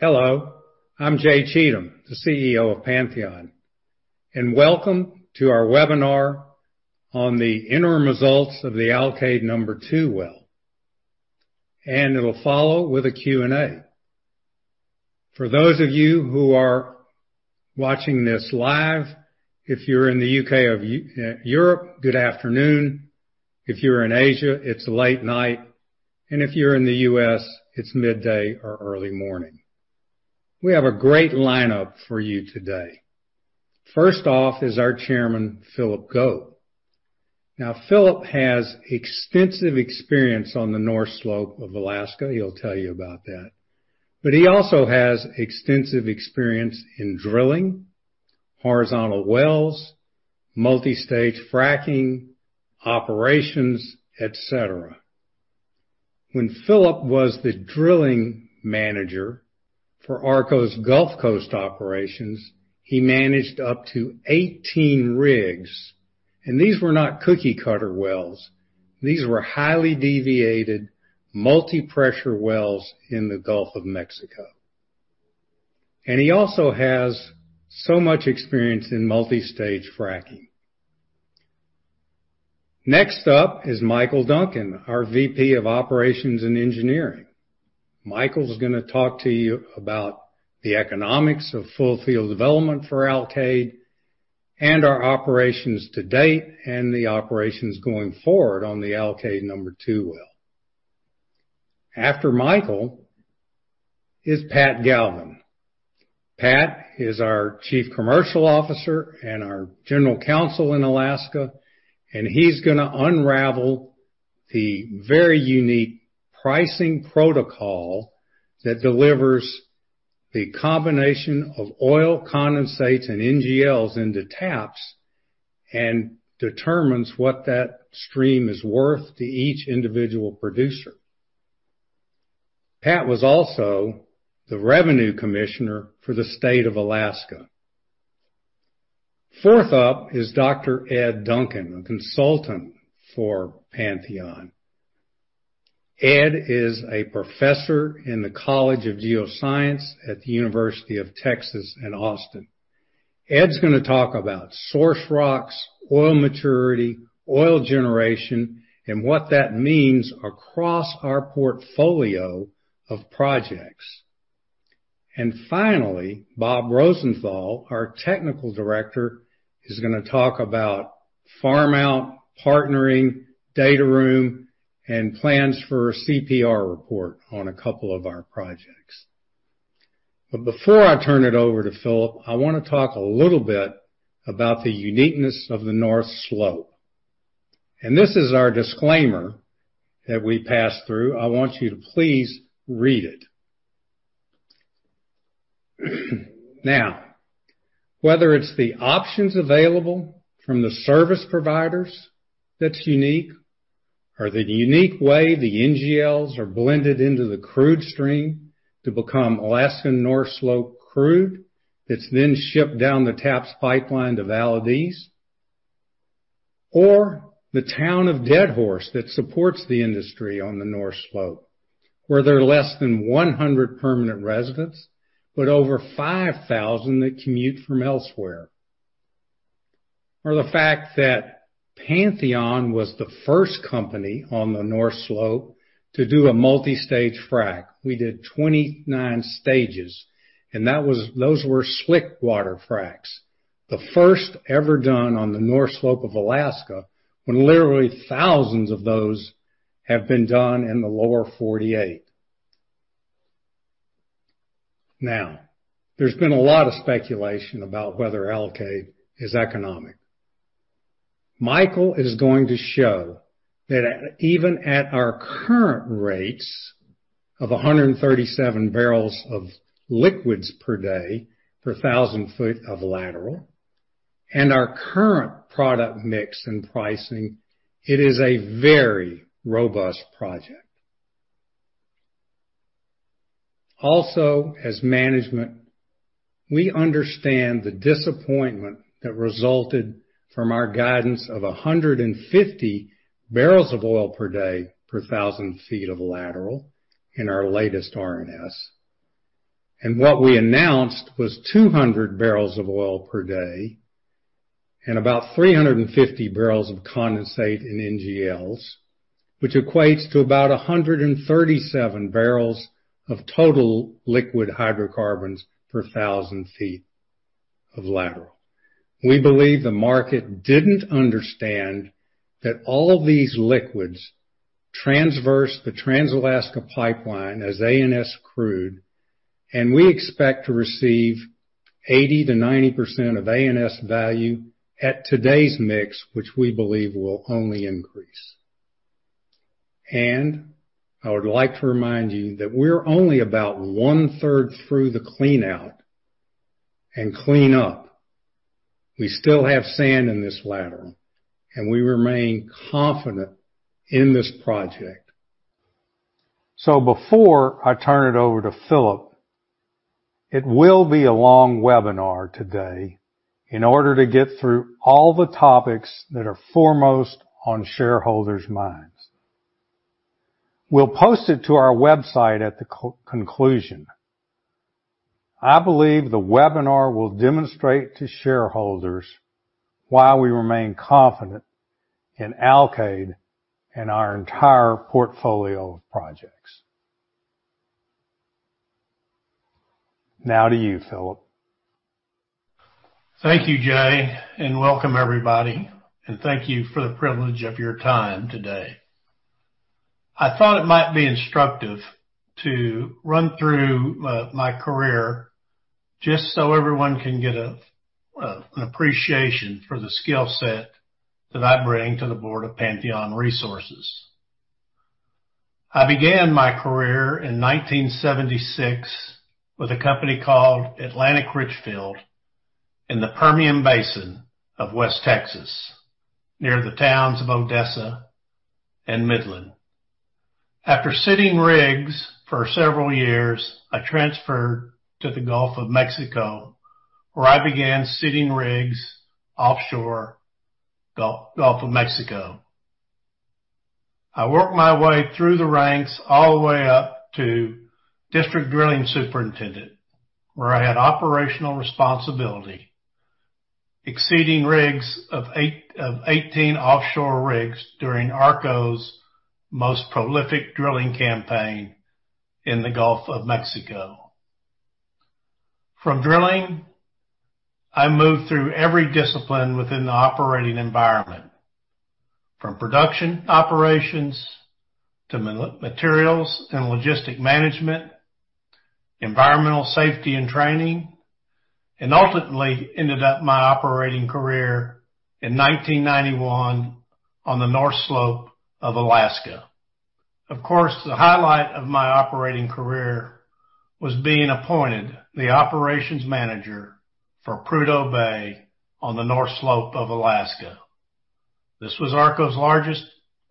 Hello. I'm Jay Cheatham, the CEO of Pantheon, and welcome to our webinar on the interim results of the Alkaid-2 well. It'll follow with a Q&A. For those of you who are watching this live, if you're in the U.K. or EU, Europe, good afternoon. If you're in Asia, it's late night. If you're in the U.S., it's midday or early morning. We have a great lineup for you today. First off is our chairman, Phillip Gobe. Now, Phillip has extensive experience on the North Slope of Alaska. He'll tell you about that. He also has extensive experience in drilling horizontal wells, multi-stage fracking, operations, et cetera. When Phillip was the drilling manager for ARCO's Gulf Coast operations, he managed up to 18 rigs, and these were not cookie cutter wells. These were highly deviated multi-pressure wells in the Gulf of Mexico. He also has so much experience in multi-stage fracking. Next up is Michael Duncan, our VP of Operations and Engineering. Michael's gonna talk to you about the economics of full field development for Alkaid, and our operations to date, and the operations going forward on the Alkaid-2 well. After Michael is Pat Galvin. Pat is our Chief Commercial Officer and our General Counsel in Alaska, and he's gonna unravel the very unique pricing protocol that delivers the combination of oil condensates and NGLs into TAPS, and determines what that stream is worth to each individual producer. Pat was also the Revenue Commissioner for the state of Alaska. Fourth up is Dr. Ed Duncan, a consultant for Pantheon. Ed is a professor in the college of Geosciences at the University of Texas at Austin. Ed's gonna talk about source rocks, oil maturity, oil generation, and what that means across our portfolio of projects. Finally, Bob Rosenthal, our Technical Director, is gonna talk about farm out, partnering, data room, and plans for a CPR report on a couple of our projects. Before I turn it over to Phillip, I wanna talk a little bit about the uniqueness of the North Slope. This is our disclaimer that we passed through. I want you to please read it. Now, whether it's the options available from the service providers that's unique, or the unique way the NGLs are blended into the crude stream to become Alaska North Slope crude, that's then shipped down the TAPS pipeline to Valdez, or the town of Deadhorse that supports the industry on the North Slope, where there are less than 100 permanent residents, but over 5,000 that commute from elsewhere. The fact that Pantheon was the first company on the North Slope to do a multi-stage frack. We did 29 stages, and those were slickwater fracs, the first ever done on the North Slope of Alaska, when literally thousands of those have been done in the lower 48. Now, there's been a lot of speculation about whether Alkaid is economic. Michael is going to show that even at our current rates of 137 barrels of liquids per day per thousand feet of lateral, and our current product mix and pricing, it is a very robust project. Also, as management, we understand the disappointment that resulted from our guidance of 150 barrels of oil per day per thousand feet of lateral in our latest RNS. What we announced was 200 barrels of oil per day and about 350 barrels of condensate in NGLs, which equates to about 137 barrels of total liquid hydrocarbons per thousand feet of lateral. We believe the market didn't understand that all of these liquids traverse the Trans-Alaska Pipeline as ANS crude, and we expect to receive 80%-90% of ANS value at today's mix, which we believe will only increase. I would like to remind you that we're only about one-third through the clean out and clean up. We still have sand in this lateral, and we remain confident in this project. Before I turn it over to Phillip, it will be a long webinar today in order to get through all the topics that are foremost on shareholders' minds. We'll post it to our website at the conclusion. I believe the webinar will demonstrate to shareholders why we remain confident in Alkaid and our entire portfolio of projects. Now to you, Phillip. Thank you, Jay, and welcome everybody, and thank you for the privilege of your time today. I thought it might be instructive to run through my career just so everyone can get an appreciation for the skill set that I bring to the board of Pantheon Resources. I began my career in 1976 with a company called Atlantic Richfield in the Permian Basin of West Texas, near the towns of Odessa and Midland. After sitting rigs for several years, I transferred to the Gulf of Mexico, where I began sitting rigs offshore Gulf of Mexico. I worked my way through the ranks all the way up to district drilling superintendent, where I had operational responsibility overseeing rigs of eighteen offshore rigs during ARCO's most prolific drilling campaign in the Gulf of Mexico. From drilling, I moved through every discipline within the operating environment, from production operations to materials and logistic management, environmental safety and training, and ultimately ended up my operating career in 1991 on the North Slope of Alaska. Of course, the highlight of my operating career was being appointed the operations manager for Prudhoe Bay on the North Slope of Alaska. This was ARCO's largest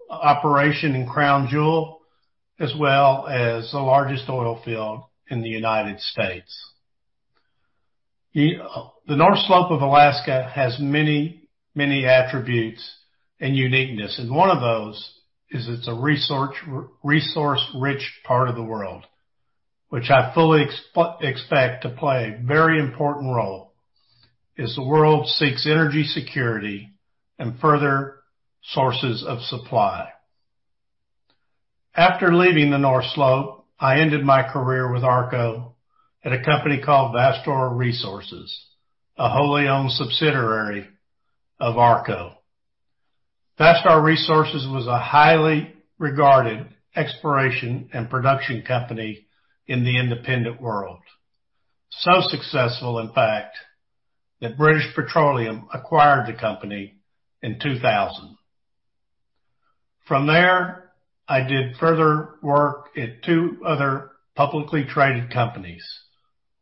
operation in crown jewel, as well as the largest oil field in the United States. The North Slope of Alaska has many, many attributes and uniqueness, and one of those is it's a resource-rich part of the world, which I fully expect to play a very important role as the world seeks energy security and further sources of supply. After leaving the North Slope, I ended my career with ARCO at a company called Vastar Resources, a wholly owned subsidiary of ARCO. Vastar Resources was a highly regarded exploration and production company in the independent world. Successful, in fact, that British Petroleum acquired the company in 2000. From there, I did further work at two other publicly traded companies,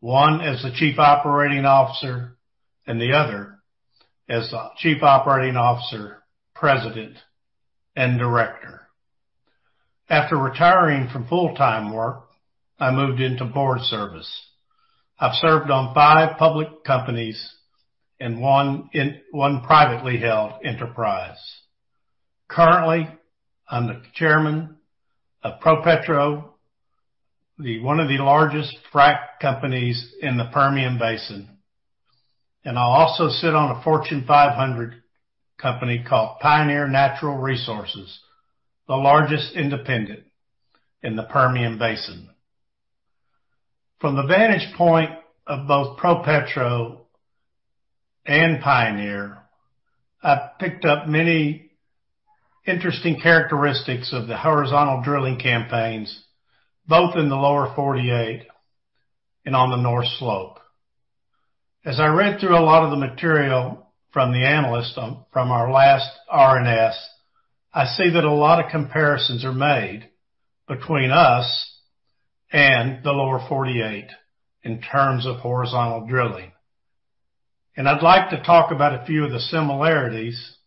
one as the Chief Operating Officer and the other as Chief Operating Officer, President, and Director. After retiring from full-time work, I moved into board service. I've served on five public companies and one privately held enterprise. Currently, I'm the Chairman of ProPetro, one of the largest frack companies in the Permian Basin, and I also sit on a Fortune 500 company called Pioneer Natural Resources, the largest independent in the Permian Basin. From the vantage point of both ProPetro and Pioneer, I've picked up many interesting characteristics of the horizontal drilling campaigns, both in the Lower 48 and on the North Slope. As I read through a lot of the material from the analyst from our last RNS, I see that a lot of comparisons are made between us and the Lower 48 in terms of horizontal drilling. I'd like to talk about a few of the similarities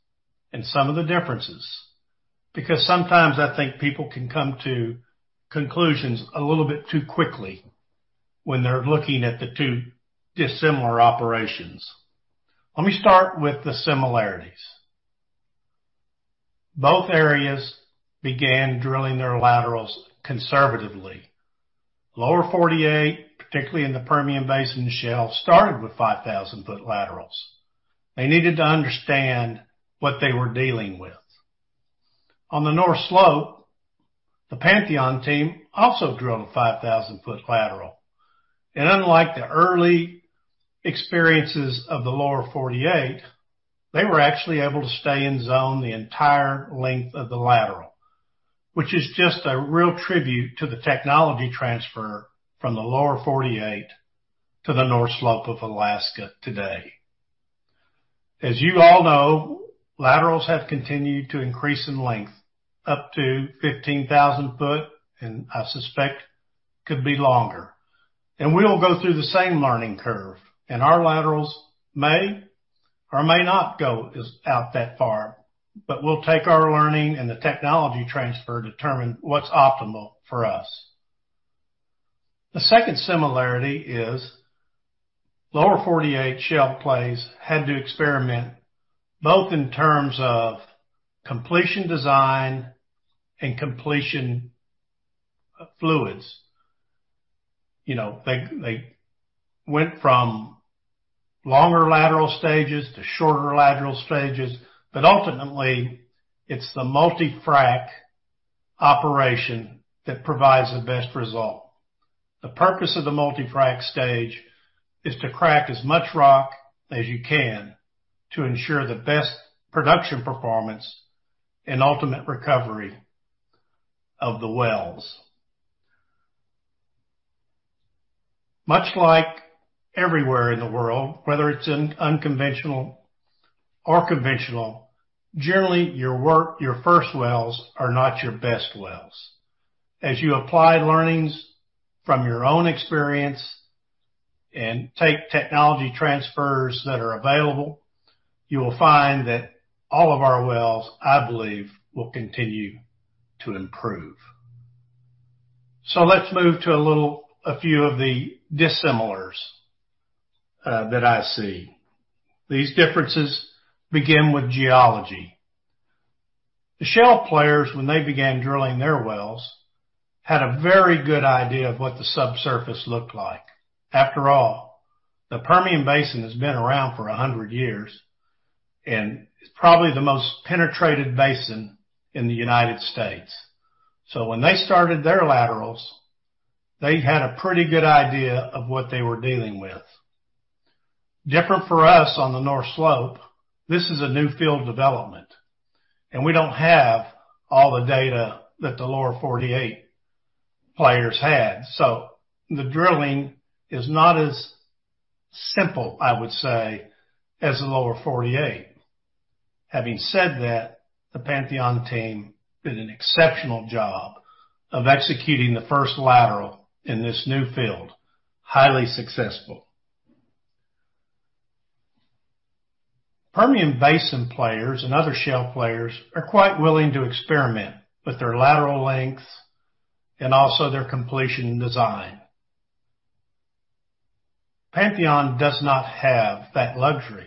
and some of the differences, because sometimes I think people can come to conclusions a little bit too quickly when they're looking at the two dissimilar operations. Let me start with the similarities. Both areas began drilling their laterals conservatively. Lower 48, particularly in the Permian Basin Shale, started with 5,000-foot laterals. They needed to understand what they were dealing with. On the North Slope, the Pantheon team also drilled a 5,000-foot lateral. Unlike the early experiences of the Lower 48, they were actually able to stay in zone the entire length of the lateral, which is just a real tribute to the technology transfer from the Lower 48 to the North Slope of Alaska today. As you all know, laterals have continued to increase in length up to 15,000 foot, and I suspect could be longer. We'll go through the same learning curve, and our laterals may or may not go as far out that far, but we'll take our learning and the technology transfer to determine what's optimal for us. The second similarity is Lower 48 shale plays had to experiment both in terms of completion design and completion fluids. You know, they went from longer lateral stages to shorter lateral stages, but ultimately, it's the multi-frac operation that provides the best result. The purpose of the multi-frac stage is to crack as much rock as you can to ensure the best production performance and ultimate recovery of the wells. Much like everywhere in the world, whether it's in unconventional or conventional, generally, your first wells are not your best wells. As you apply learnings from your own experience and take technology transfers that are available, you will find that all of our wells, I believe, will continue to improve. Let's move to a little, a few of the dissimilarities that I see. These differences begin with geology. The shale players, when they began drilling their wells, had a very good idea of what the subsurface looked like. After all, the Permian Basin has been around for 100 years and it's probably the most penetrated basin in the United States. When they started their laterals, they had a pretty good idea of what they were dealing with. Different for us on the North Slope, this is a new field development, and we don't have all the data that the Lower 48 players had. The drilling is not as simple, I would say, as the Lower 48. Having said that, the Pantheon team did an exceptional job of executing the first lateral in this new field. Highly successful. Permian Basin players and other shale players are quite willing to experiment with their lateral lengths and also their completion and design. Pantheon does not have that luxury,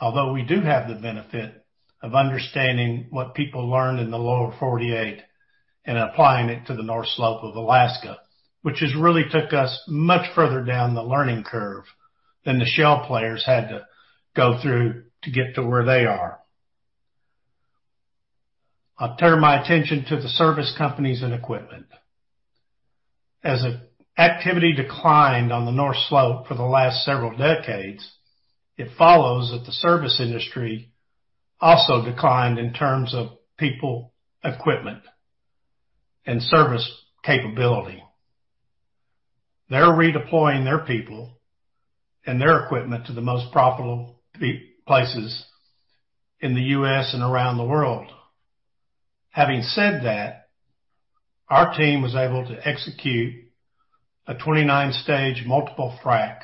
although we do have the benefit of understanding what people learned in the Lower 48 and applying it to the North Slope of Alaska, which has really took us much further down the learning curve than the shale players had to go through to get to where they are. I'll turn my attention to the service companies and equipment. As activity declined on the North Slope for the last several decades, it follows that the service industry also declined in terms of people, equipment, and service capability. They're redeploying their people and their equipment to the most profitable places in the U.S. and around the world. Having said that, our team was able to execute a 29-stage multi-stage frack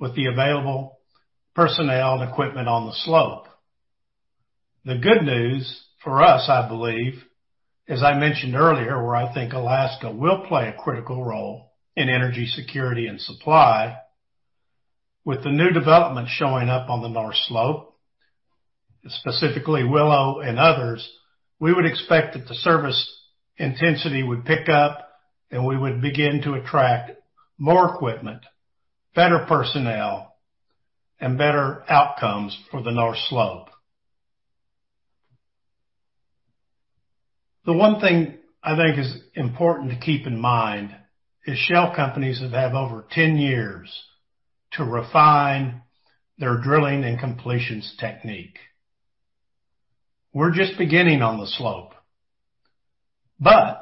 with the available personnel and equipment on the slope. The good news for us, I believe, as I mentioned earlier, where I think Alaska will play a critical role in energy security and supply with the new development showing up on the North Slope, specifically Willow and others, we would expect that the service intensity would pick up, and we would begin to attract more equipment, better personnel, and better outcomes for the North Slope. The one thing I think is important to keep in mind is Shale companies have had over 10 years to refine their drilling and completions technique. We're just beginning on the slope, but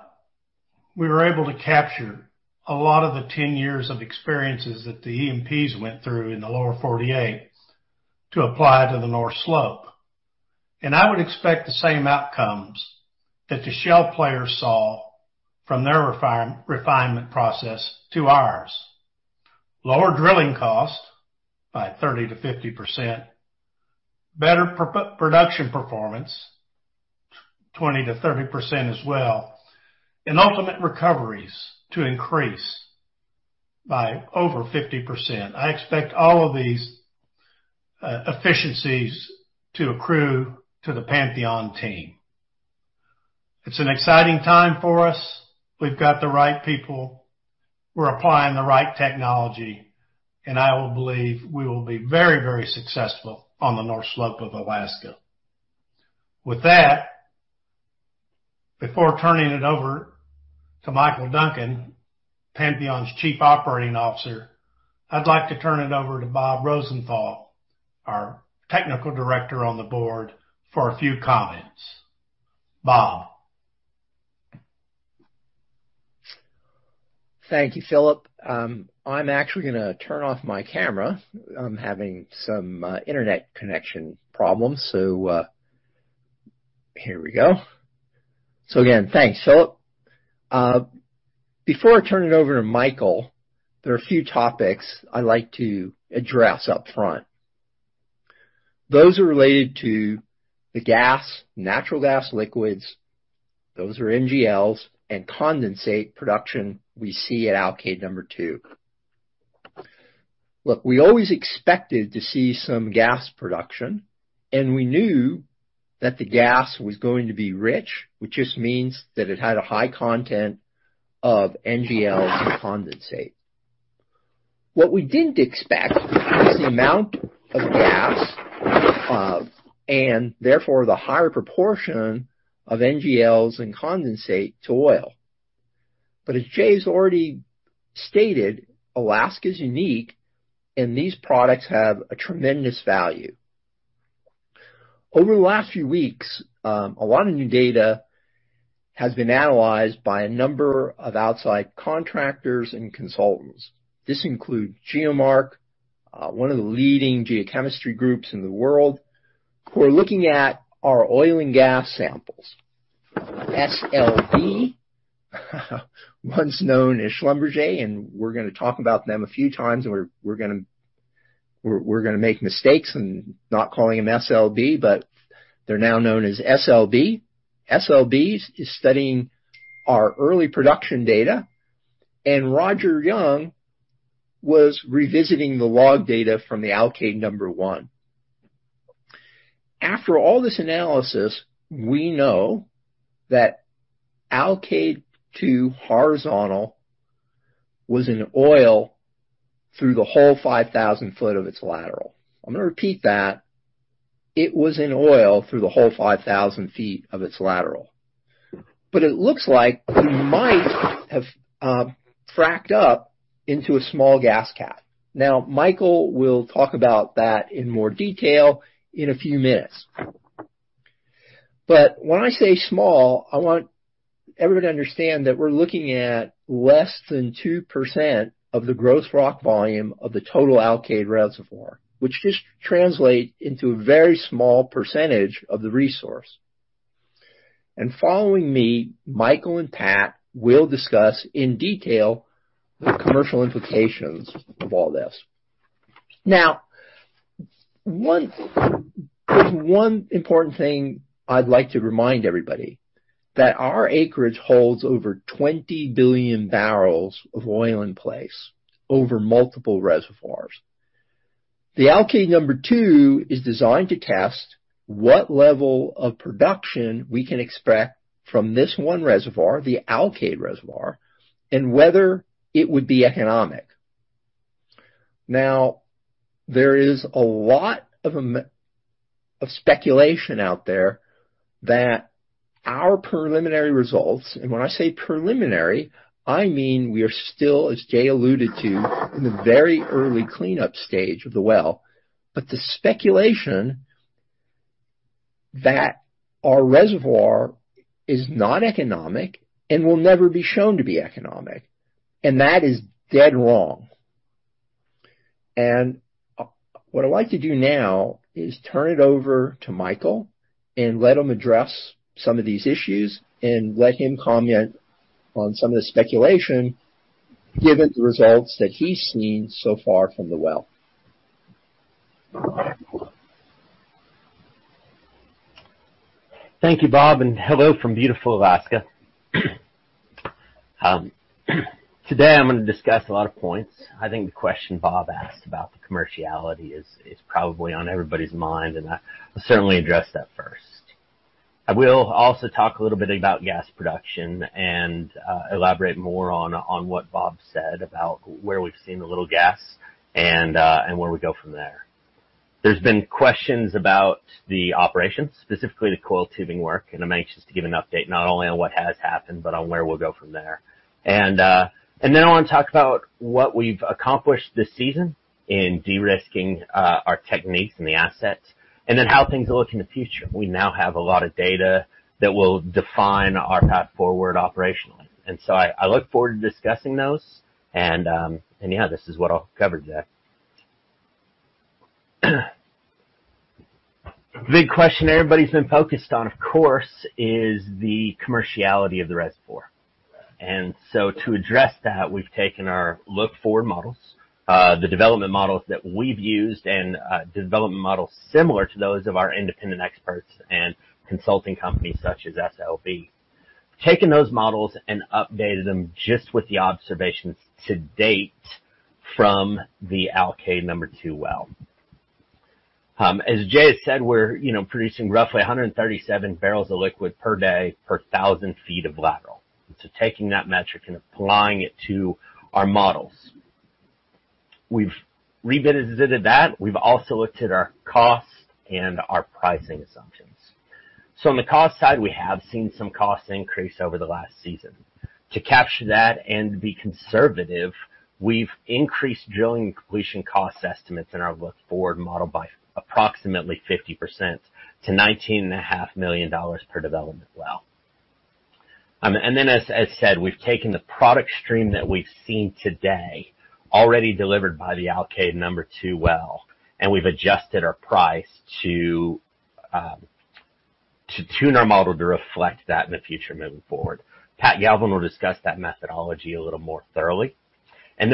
we were able to capture a lot of the 10 years of experiences that the E&Ps went through in the Lower 48 to apply to the North Slope. I would expect the same outcomes that the Shale players saw from their refinement process to ours. Lower drilling costs by 30%-50%, better production performance, 20%-30% as well, and ultimate recoveries to increase by over 50%. I expect all of these efficiencies to accrue to the Pantheon team. It's an exciting time for us. We've got the right people. We're applying the right technology, and I believe we will be very, very successful on the North Slope of Alaska. With that, before turning it over to Michael Duncan, Pantheon's Chief Operating Officer, I'd like to turn it over to Bob Rosenthal, our Technical Director on the board, for a few comments. Bob. Thank you, Phillip. I'm actually gonna turn off my camera. I'm having some internet connection problems, so here we go. Again, thanks, Phillip. Before I turn it over to Michael, there are a few topics I like to address up front. Those are related to the gas, natural gas liquids. Those are NGLs and condensate production we see at Alkaid-2. Look, we always expected to see some gas production, and we knew that the gas was going to be rich, which just means that it had a high content of NGLs and condensate. What we didn't expect was the amount of gas, and therefore the higher proportion of NGLs and condensate to oil. As Jay's already stated, Alaska is unique, and these products have a tremendous value. Over the last few weeks, a lot of new data has been analyzed by a number of outside contractors and consultants. This includes GeoMark, one of the leading geochemistry groups in the world, who are looking at our oil and gas samples. SLB, once known as Schlumberger, and we're gonna talk about them a few times, and we're gonna make mistakes in not calling them SLB, but they're now known as SLB. SLB is studying our early production data, and Roger Young was revisiting the log data from the Alkaid-1. After all this analysis, we know that Alkaid-2 horizontal was in oil through the whole 5,000 foot of its lateral. I'm gonna repeat that. It was in oil through the whole 5,000 feet of its lateral. It looks like we might have fracked up into a small gas cap. Now, Michael will talk about that in more detail in a few minutes. When I say small, I want everyone to understand that we're looking at less than 2% of the gross rock volume of the total Alkaid Reservoir, which just translate into a very small percentage of the resource. Following me, Michael and Pat will discuss in detail the commercial implications of all this. Now, there's one important thing I'd like to remind everybody, that our acreage holds over 20 billion barrels of oil in place over multiple reservoirs. The Alkaid-2 is designed to test what level of production we can expect from this one reservoir, the Alkaid Reservoir, and whether it would be economic. Now, there is a lot of speculation out there that our preliminary results, and when I say preliminary, I mean we are still, as Jay alluded to, in the very early cleanup stage of the well, but the speculation that our reservoir is not economic and will never be shown to be economic. That is dead wrong. What I'd like to do now is turn it over to Michael and let him address some of these issues and let him comment on some of the speculation, given the results that he's seen so far from the well. Thank you, Bob, and hello from beautiful Alaska. Today I'm gonna discuss a lot of points. I think the question Bob asked about the commerciality is probably on everybody's mind, and I'll certainly address that first. I will also talk a little bit about gas production and elaborate more on what Bob said about where we've seen the little gas and where we go from there. There's been questions about the operations, specifically the coiled tubing work, and I'm anxious to give an update not only on what has happened, but on where we'll go from there. Then I wanna talk about what we've accomplished this season in de-risking our techniques and the assets, and then how things will look in the future. We now have a lot of data that will define our path forward operationally. I look forward to discussing those. Yeah, this is what I'll cover today. The big question everybody's been focused on, of course, is the commerciality of the reservoir. To address that, we've taken our look-forward models, the development models that we've used and, development models similar to those of our independent experts and consulting companies such as SLB. Taking those models and updated them just with the observations to date from the Alkaid-2 well. As Jay has said, we're, you know, producing roughly 137 barrels of liquid per day, per 1,000 feet of lateral. Taking that metric and applying it to our models. We've revisited that. We've also looked at our costs and our pricing assumptions. On the cost side, we have seen some costs increase over the last season. To capture that and be conservative, we've increased drilling completion cost estimates in our look-forward model by approximately 50% to $19.5 million per development well. As said, we've taken the product stream that we've seen today already delivered by the Alkaid-2 well, and we've adjusted our price to tune our model to reflect that in the future moving forward. Pat Galvin will discuss that methodology a little more thoroughly.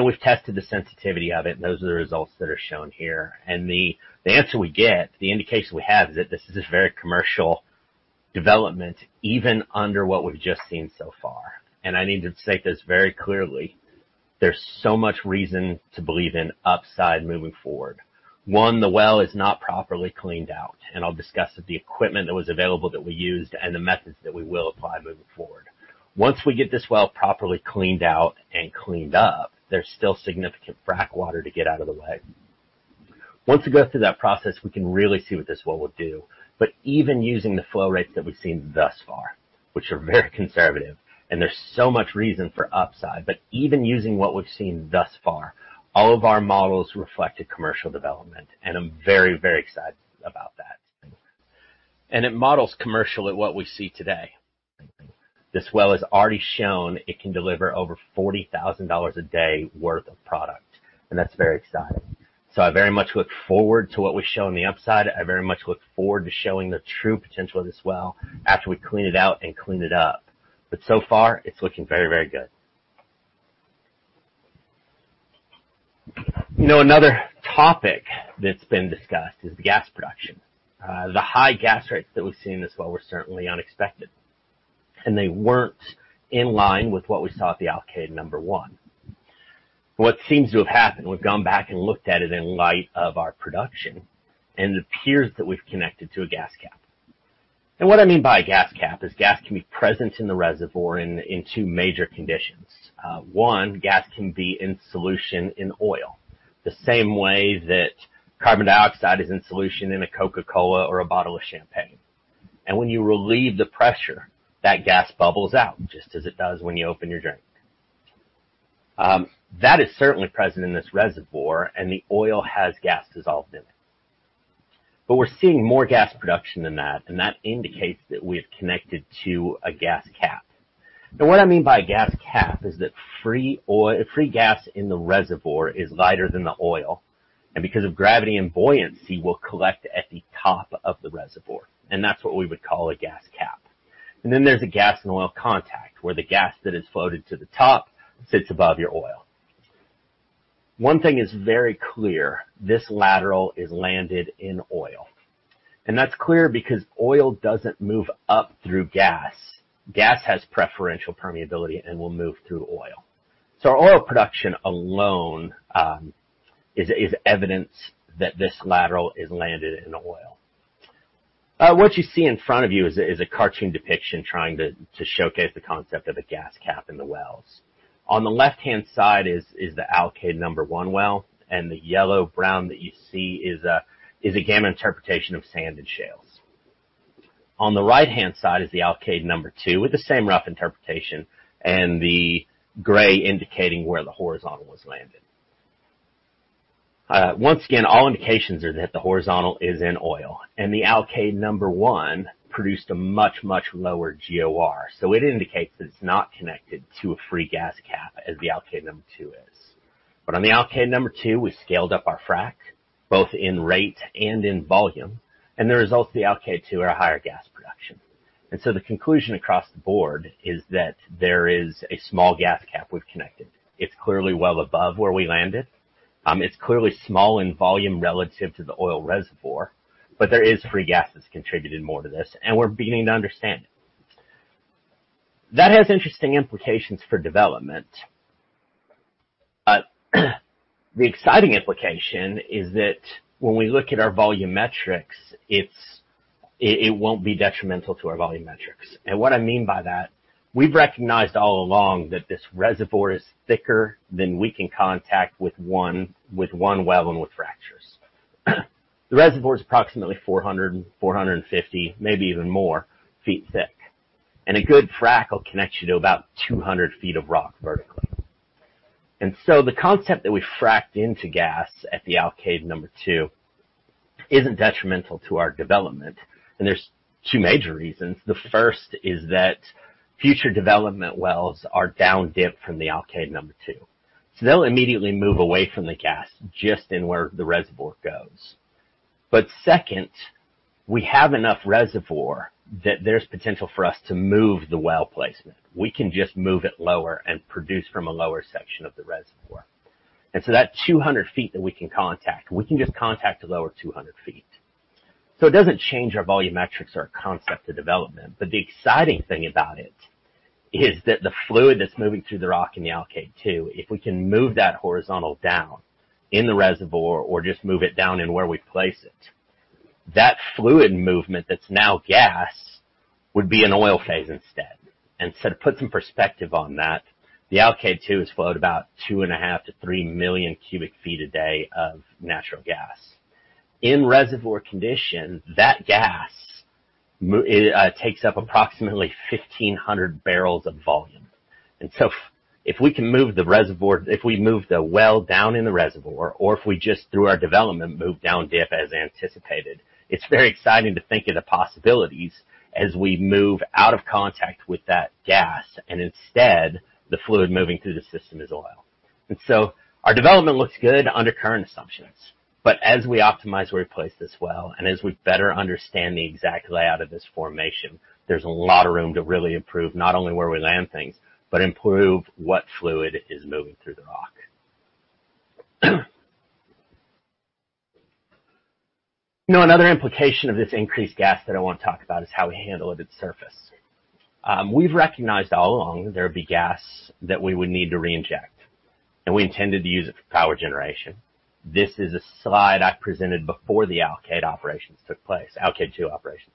We've tested the sensitivity of it, and those are the results that are shown here. The answer we get, the indication we have, is that this is a very commercial development, even under what we've just seen so far. I need to state this very clearly. There's so much reason to believe in upside moving forward. One, the well is not properly cleaned out, and I'll discuss the equipment that was available that we used and the methods that we will apply moving forward. Once we get this well properly cleaned out and cleaned up, there's still significant frack water to get out of the way. Once it goes through that process, we can really see what this well will do. But even using the flow rates that we've seen thus far, which are very conservative and there's so much reason for upside, but even using what we've seen thus far, all of our models reflected commercial development, and I'm very, very excited about that. It models commercial at what we see today. This well has already shown it can deliver over $40,000 a day worth of product, and that's very exciting. I very much look forward to what we show on the upside. I very much look forward to showing the true potential of this well after we clean it out and clean it up. So far, it's looking very, very good. You know, another topic that's been discussed is the gas production. The high gas rates that we've seen in this well were certainly unexpected, and they weren't in line with what we saw at the Alkaid-1 What seems to have happened, we've gone back and looked at it in light of our production, and it appears that we've connected to a gas cap. What I mean by a gas cap is gas can be present in the reservoir in two major conditions. Gas can be in solution in oil, the same way that carbon dioxide is in solution in a Coca-Cola or a bottle of champagne. When you relieve the pressure, that gas bubbles out, just as it does when you open your drink. That is certainly present in this reservoir, and the oil has gas dissolved in it. We're seeing more gas production than that, and that indicates that we have connected to a gas cap. What I mean by a gas cap is that free gas in the reservoir is lighter than the oil, and because of gravity and buoyancy, will collect at the top of the reservoir, and that's what we would call a gas cap. Then there's a gas and oil contact where the gas that has floated to the top sits above your oil. One thing is very clear, this lateral is landed in oil. That's clear because oil doesn't move up through gas. Gas has preferential permeability and will move through oil. Our oil production alone is evidence that this lateral is landed in oil. What you see in front of you is a cartoon depiction trying to showcase the concept of a gas cap in the wells. On the left-hand side is the Alkaid-1 well, and the yellow-brown that you see is again an interpretation of sand and shales. On the right-hand side is the Alkaid-2, with the same rough interpretation and the gray indicating where the horizontal was landed. Once again, all indications are that the horizontal is in oil and the Alkaid-1 produced a much lower GOR. It indicates that it's not connected to a free gas cap as the Alkaid-2 is. On the Alkaid-2, we scaled up our frack, both in rate and in volume, and the results of the Alkaid-2 are a higher gas production. The conclusion across the board is that there is a small gas cap we've connected. It's clearly well above where we landed. It's clearly small in volume relative to the oil reservoir, but there is free gas that's contributed more to this, and we're beginning to understand it. That has interesting implications for development. The exciting implication is that when we look at our volume metrics, it won't be detrimental to our volume metrics. What I mean by that, we've recognized all along that this reservoir is thicker than we can contact with one well and with fractures. The reservoir is approximately 400-450, maybe even more feet thick. A good frack will connect you to about 200 feet of rock vertically. The concept that we fracked into gas at the Alkaid-2 isn't detrimental to our development. There's two major reasons. The first is that future development wells are down dip from the Alkaid-2, so they'll immediately move away from the gas just in where the reservoir goes. Second, we have enough reservoir that there's potential for us to move the well placement. We can just move it lower and produce from a lower section of the reservoir. That 200 feet that we can contact, we can just contact a lower 200 feet. It doesn't change our volume metrics or concept to development. The exciting thing about it is that the fluid that's moving through the rock in the Alkaid-2, if we can move that horizontal down in the reservoir or just move it down in where we place it, that fluid movement that's now gas would be an oil phase instead. To put some perspective on that, the Alkaid-2 has flowed about 2.5 to 3 million cubic feet a day of natural gas. In reservoir condition, that gas takes up approximately 1,500 barrels of volume. If we can move into the reservoir, if we move the well down in the reservoir, or if we just through our development, move down dip as anticipated, it's very exciting to think of the possibilities as we move out of contact with that gas and instead the fluid moving through the system is oil. Our development looks good under current assumptions. As we optimize where we place this well, and as we better understand the exact layout of this formation, there's a lot of room to really improve not only where we land things, but improve what fluid is moving through the rock. You know, another implication of this increased gas that I wanna talk about is how we handle it at surface. We've recognized all along there'd be gas that we would need to reinject, and we intended to use it for power generation. This is a slide I presented before the Alkaid operations took place, Alkaid-2 operations.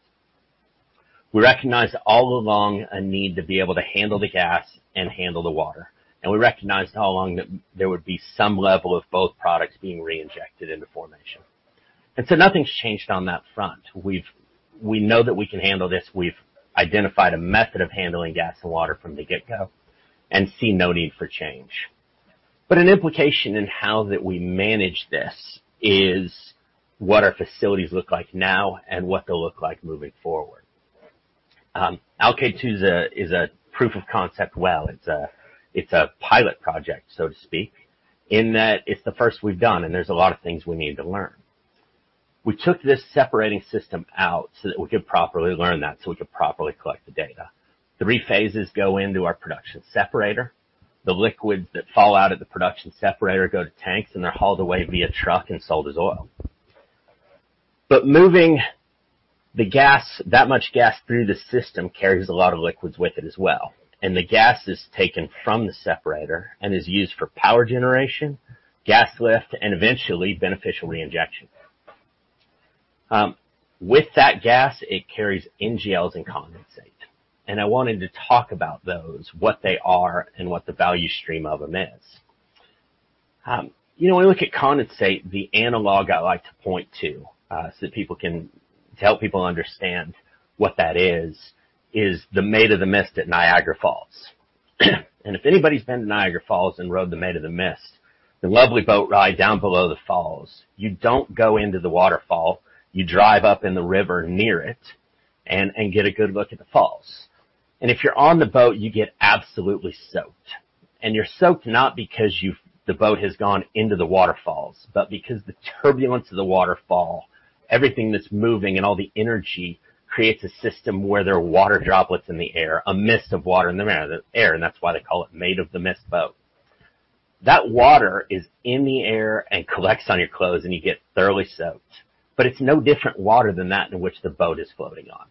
We recognized all along a need to be able to handle the gas and handle the water, and we recognized all along that there would be some level of both products being reinjected into formation. Nothing's changed on that front. We know that we can handle this. We've identified a method of handling gas and water from the get-go and see no need for change. But an implication in how that we manage this is what our facilities look like now and what they'll look like moving forward. Alkaid-2 is a proof of concept well. It's a pilot project, so to speak, in that it's the first we've done, and there's a lot of things we need to learn. We took this separating system out so that we could properly learn that, so we could properly collect the data. The three phases go into our production separator. The liquids that fall out of the production separator go to tanks, and they're hauled away via truck and sold as oil. But moving the gas, that much gas through the system carries a lot of liquids with it as well, and the gas is taken from the separator and is used for power generation, gas lift, and eventually beneficial reinjection. With that gas, it carries NGLs and condensate. I wanted to talk about those, what they are and what the value stream of them is. You know, when we look at condensate, the analog I like to point to help people understand what that is the Maid of the Mist at Niagara Falls. If anybody's been to Niagara Falls and rode the Maid of the Mist, the lovely boat ride down below the falls, you don't go into the waterfall. You drive up in the river near it and get a good look at the falls. If you're on the boat, you get absolutely soaked. You're soaked not because the boat has gone into the waterfalls, but because the turbulence of the waterfall, everything that's moving and all the energy creates a system where there are water droplets in the air, a mist of water in the air. That's why they call it Maid of the Mist boat. That water is in the air and collects on your clothes, and you get thoroughly soaked. It's no different water than that in which the boat is floating on.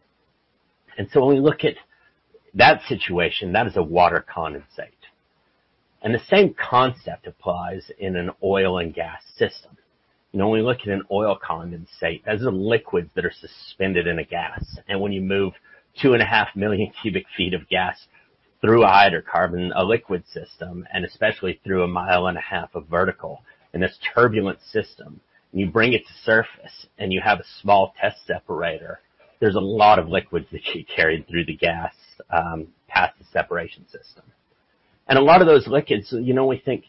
When we look at that situation, that is a water condensate. The same concept applies in an oil and gas system. You know, when we look at an oil condensate, those are liquids that are suspended in a gas. When you move 2.5 million cubic feet of gas through a hydrocarbon, a liquid system, and especially through 1.5 miles of vertical in this turbulent system, and you bring it to surface and you have a small test separator, there's a lot of liquids that you carried through the gas, past the separation system. A lot of those liquids, you know, we think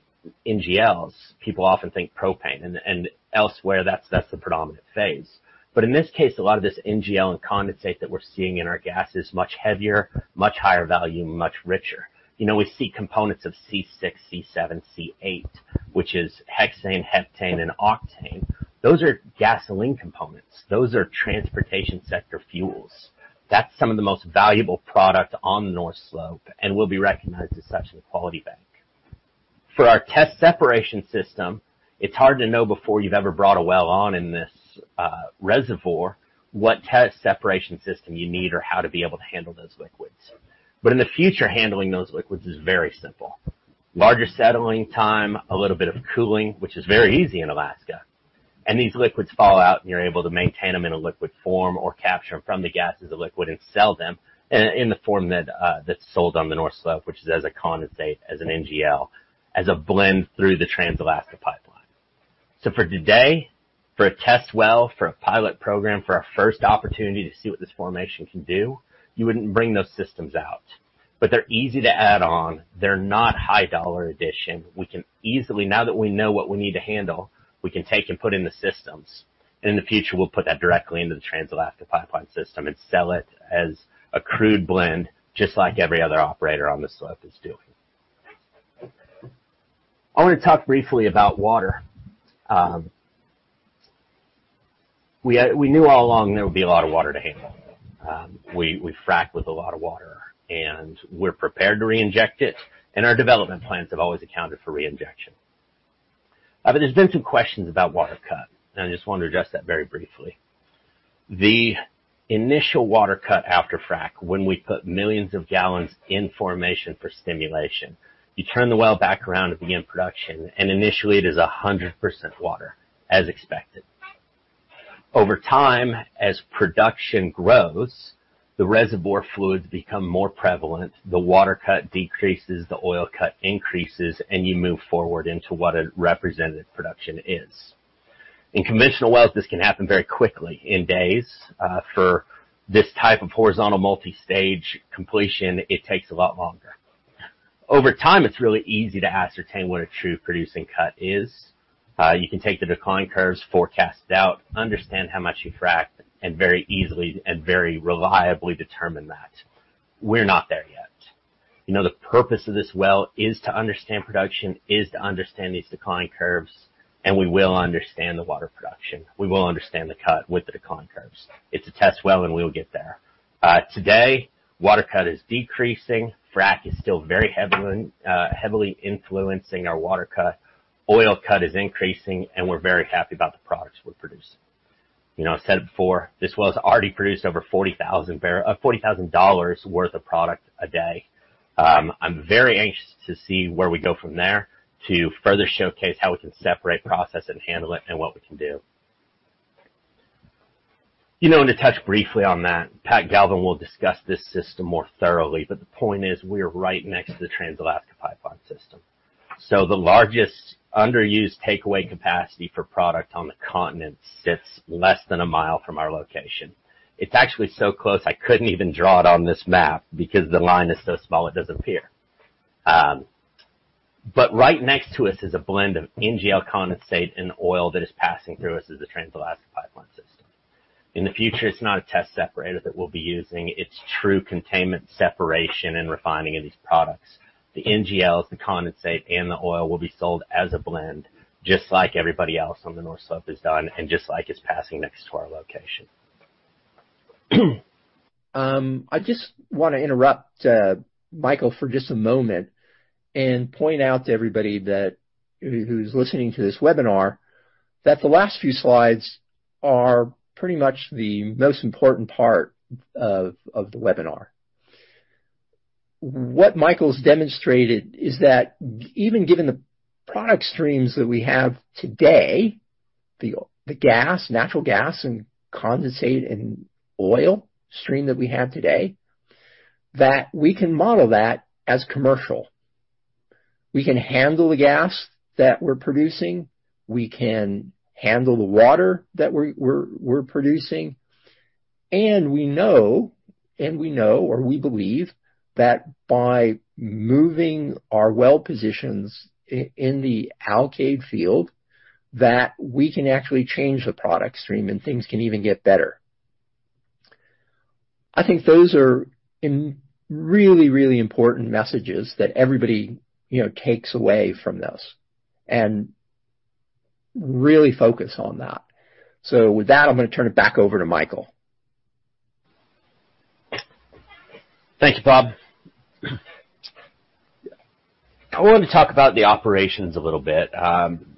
NGLs. People often think propane and elsewhere that's the predominant phase. In this case, a lot of this NGL and condensate that we're seeing in our gas is much heavier, much higher value, much richer. You know, we see components of C6, C7, C8, which is hexane, heptane, and octane. Those are gasoline components. Those are transportation sector fuels. That's some of the most valuable product on the North Slope and will be recognized as such in the quality bank. For our test separation system, it's hard to know before you've ever brought a well on in this reservoir what test separation system you need or how to be able to handle those liquids. In the future, handling those liquids is very simple. Larger settling time, a little bit of cooling, which is very easy in Alaska. These liquids fall out, and you're able to maintain them in a liquid form or capture them from the gas as a liquid and sell them in the form that's sold on the North Slope, which is as a condensate, as an NGL, as a blend through the Trans-Alaska pipeline. For today, for a test well, for a pilot program, for our first opportunity to see what this formation can do, you wouldn't bring those systems out. They're easy to add on. They're not high dollar addition. We can easily. Now that we know what we need to handle, we can take and put in the systems. In the future, we'll put that directly into the Trans-Alaska pipeline system and sell it as a crude blend, just like every other operator on this slope is doing. I wanna talk briefly about water. We knew all along there would be a lot of water to handle. We frack with a lot of water, and we're prepared to reinject it, and our development plans have always accounted for reinjection. There's been some questions about water cut, and I just want to address that very briefly. The initial water cut after frack, when we put millions of gallons into the formation for stimulation, you turn the well back around and begin production, and initially it is 100% water, as expected. Over time, as production grows, the reservoir fluids become more prevalent, the water cut decreases, the oil cut increases, and you move forward into what a representative production is. In conventional wells, this can happen very quickly, in days. For this type of horizontal multi-stage completion, it takes a lot longer. Over time, it's really easy to ascertain what a true producing cut is. You can take the decline curves, forecast it out, understand how much you fracked, and very easily and very reliably determine that. We're not there yet. You know, the purpose of this well is to understand production, is to understand these decline curves, and we will understand the water production. We will understand the cut with the decline curves. It's a test well, and we will get there. Today, water cut is decreasing. Frac is still very heavily influencing our water cut. Oil cut is increasing, and we're very happy about the products we produce. You know, I said it before, this well has already produced over $40,000 worth of product a day. I'm very anxious to see where we go from there to further showcase how we can separate, process, and handle it and what we can do. You know, to touch briefly on that, Pat Galvin will discuss this system more thoroughly, but the point is, we are right next to the Trans-Alaska Pipeline System. The largest underused takeaway capacity for product on the continent sits less than a mile from our location. It's actually so close I couldn't even draw it on this map because the line is so small it doesn't appear. Right next to us is a blend of NGL condensate and oil that is passing through us as the Trans-Alaska Pipeline System. In the future, it's not a test separator that we'll be using. It's true containment, separation, and refining of these products. The NGLs, the condensate, and the oil will be sold as a blend, just like everybody else on the North Slope has done, and just like it's passing next to our location. I just wanna interrupt Michael for just a moment and point out to everybody who's listening to this webinar that the last few slides are pretty much the most important part of the webinar. What Michael's demonstrated is that even given the product streams that we have today, the gas, natural gas and condensate and oil stream that we have today, that we can model that as commercial. We can handle the gas that we're producing, we can handle the water that we're producing, and we know or we believe that by moving our well positions in the Alkaid field, that we can actually change the product stream and things can even get better. I think those are really, really important messages that everybody you know takes away from this, and really focus on that. With that, I'm gonna turn it back over to Michael. Thank you, Bob. I wanted to talk about the operations a little bit,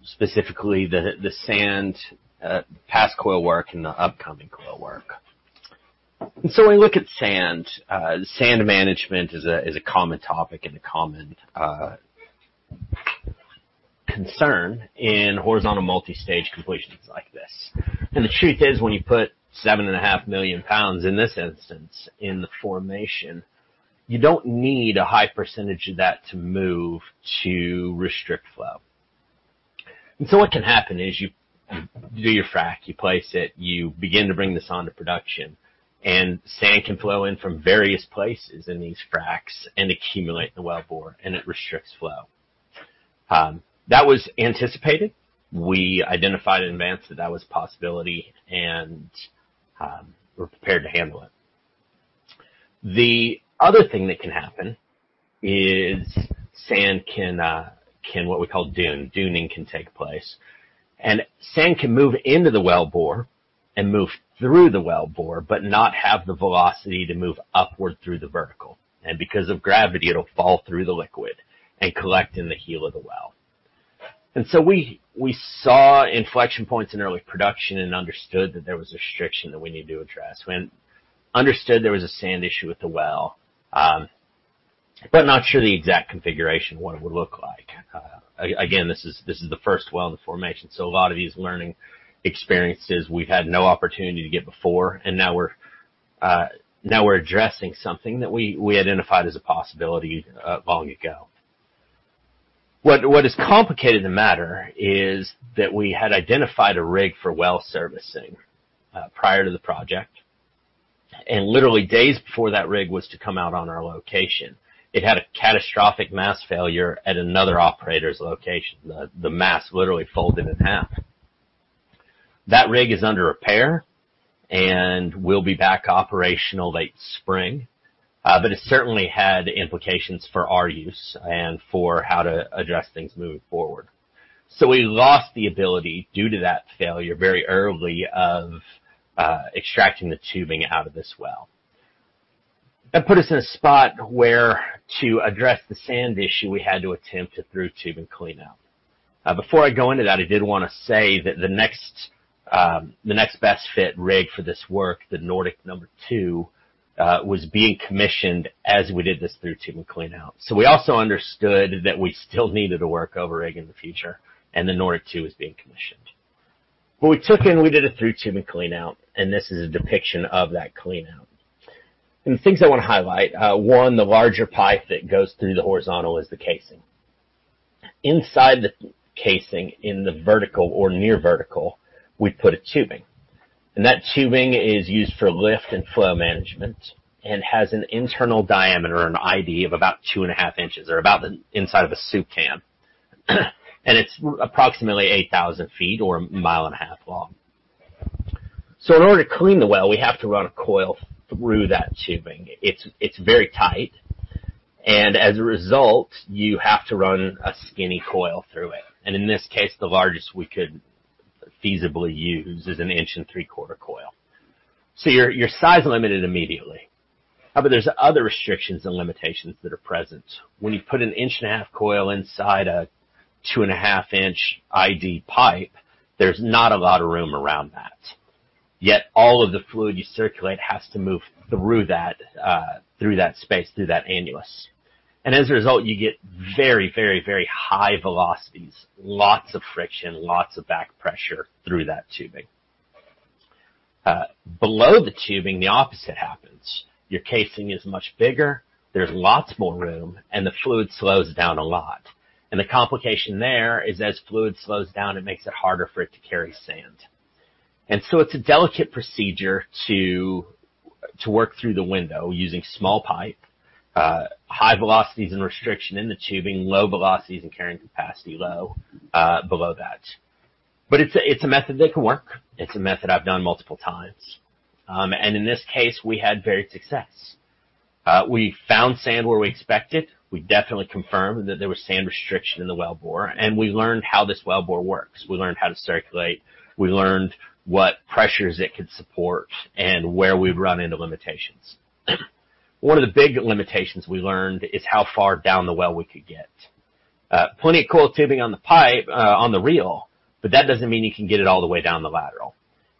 specifically the sand, past coil work and the upcoming coil work. When we look at sand management is a common topic and a common concern in horizontal multi-stage completions like this. The truth is, when you put 7.5 million pounds, in this instance, in the formation, you don't need a high percentage of that to move to restrict flow. What can happen is you do your frac, you place it, you begin to bring this onto production, and sand can flow in from various places in these fracs and accumulate in the wellbore, and it restricts flow. That was anticipated. We identified in advance that that was a possibility and, we're prepared to handle it. The other thing that can happen is sand can what we call dune. Duning can take place. Sand can move into the wellbore and move through the wellbore, but not have the velocity to move upward through the vertical. Because of gravity, it'll fall through the liquid and collect in the heel of the well. We saw inflection points in early production and understood that there was a restriction that we needed to address. We understood there was a sand issue with the well, but not sure the exact configuration, what it would look like. Again, this is the first well in the formation, so a lot of these learning experiences we've had no opportunity to get before, and now we're addressing something that we identified as a possibility long ago. What has complicated the matter is that we had identified a rig for well servicing prior to the project, and literally days before that rig was to come out on our location, it had a catastrophic mast failure at another operator's location. The mast literally folded in half. That rig is under repair and will be back operational late spring, but it certainly had implications for our use and for how to address things moving forward. We lost the ability, due to that failure, very early of extracting the tubing out of this well. That put us in a spot where to address the sand issue, we had to attempt a through-tubing cleanout. Before I go into that, I did want to say that the next best fit rig for this work, the Nordic 2, was being commissioned as we did this through-tubing cleanout. We also understood that we still needed a workover rig in the future, and the Nordic 2 was being commissioned. We took in, we did a through-tubing cleanout, and this is a depiction of that cleanout. The things I want to highlight, one, the larger pipe that goes through the horizontal is the casing. Inside the casing, in the vertical or near vertical, we put a tubing. That tubing is used for lift and flow management and has an internal diameter or an ID of about 2.5 inches or about the inside of a soup can. It's approximately 8,000 feet or 1.5 miles long. In order to clean the well, we have to run a coil through that tubing. It's very tight, and as a result, you have to run a skinny coil through it. In this case, the largest we could feasibly use is a 1.75-inch coil. You're size limited immediately. However, there's other restrictions and limitations that are present. When you put a 1.5-inch coil inside a 2.5-inch ID pipe, there's not a lot of room around that. Yet all of the fluid you circulate has to move through that space, through that annulus. As a result, you get very high velocities, lots of friction, lots of back pressure through that tubing. Below the tubing, the opposite happens. Your casing is much bigger, there's lots more room, and the fluid slows down a lot. The complication there is as fluid slows down, it makes it harder for it to carry sand. It's a delicate procedure to work through the window using small pipe, high velocities and restriction in the tubing, low velocities and carrying capacity low, below that. It's a method that can work. It's a method I've done multiple times. In this case, we had varied success. We found sand where we expected. We definitely confirmed that there was sand restriction in the wellbore, and we learned how this wellbore works. We learned how to circulate. We learned what pressures it could support and where we'd run into limitations. One of the big limitations we learned is how far down the well we could get. Plenty of coiled tubing on the pipe, on the reel, but that doesn't mean you can get it all the way down the lateral.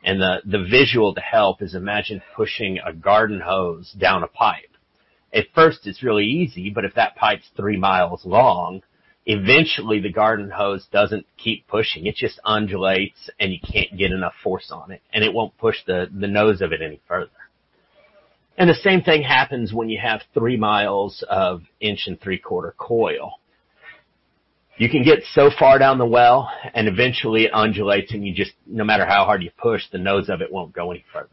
The visual to help is imagine pushing a garden hose down a pipe. At first, it's really easy, but if that pipe's 3 miles long, eventually the garden hose doesn't keep pushing. It just undulates, and you can't get enough force on it, and it won't push the nose of it any further. The same thing happens when you have 3 miles of inch and three-quarter coil. You can get so far down the well, and eventually it undulates, and you just, no matter how hard you push, the nose of it won't go any further.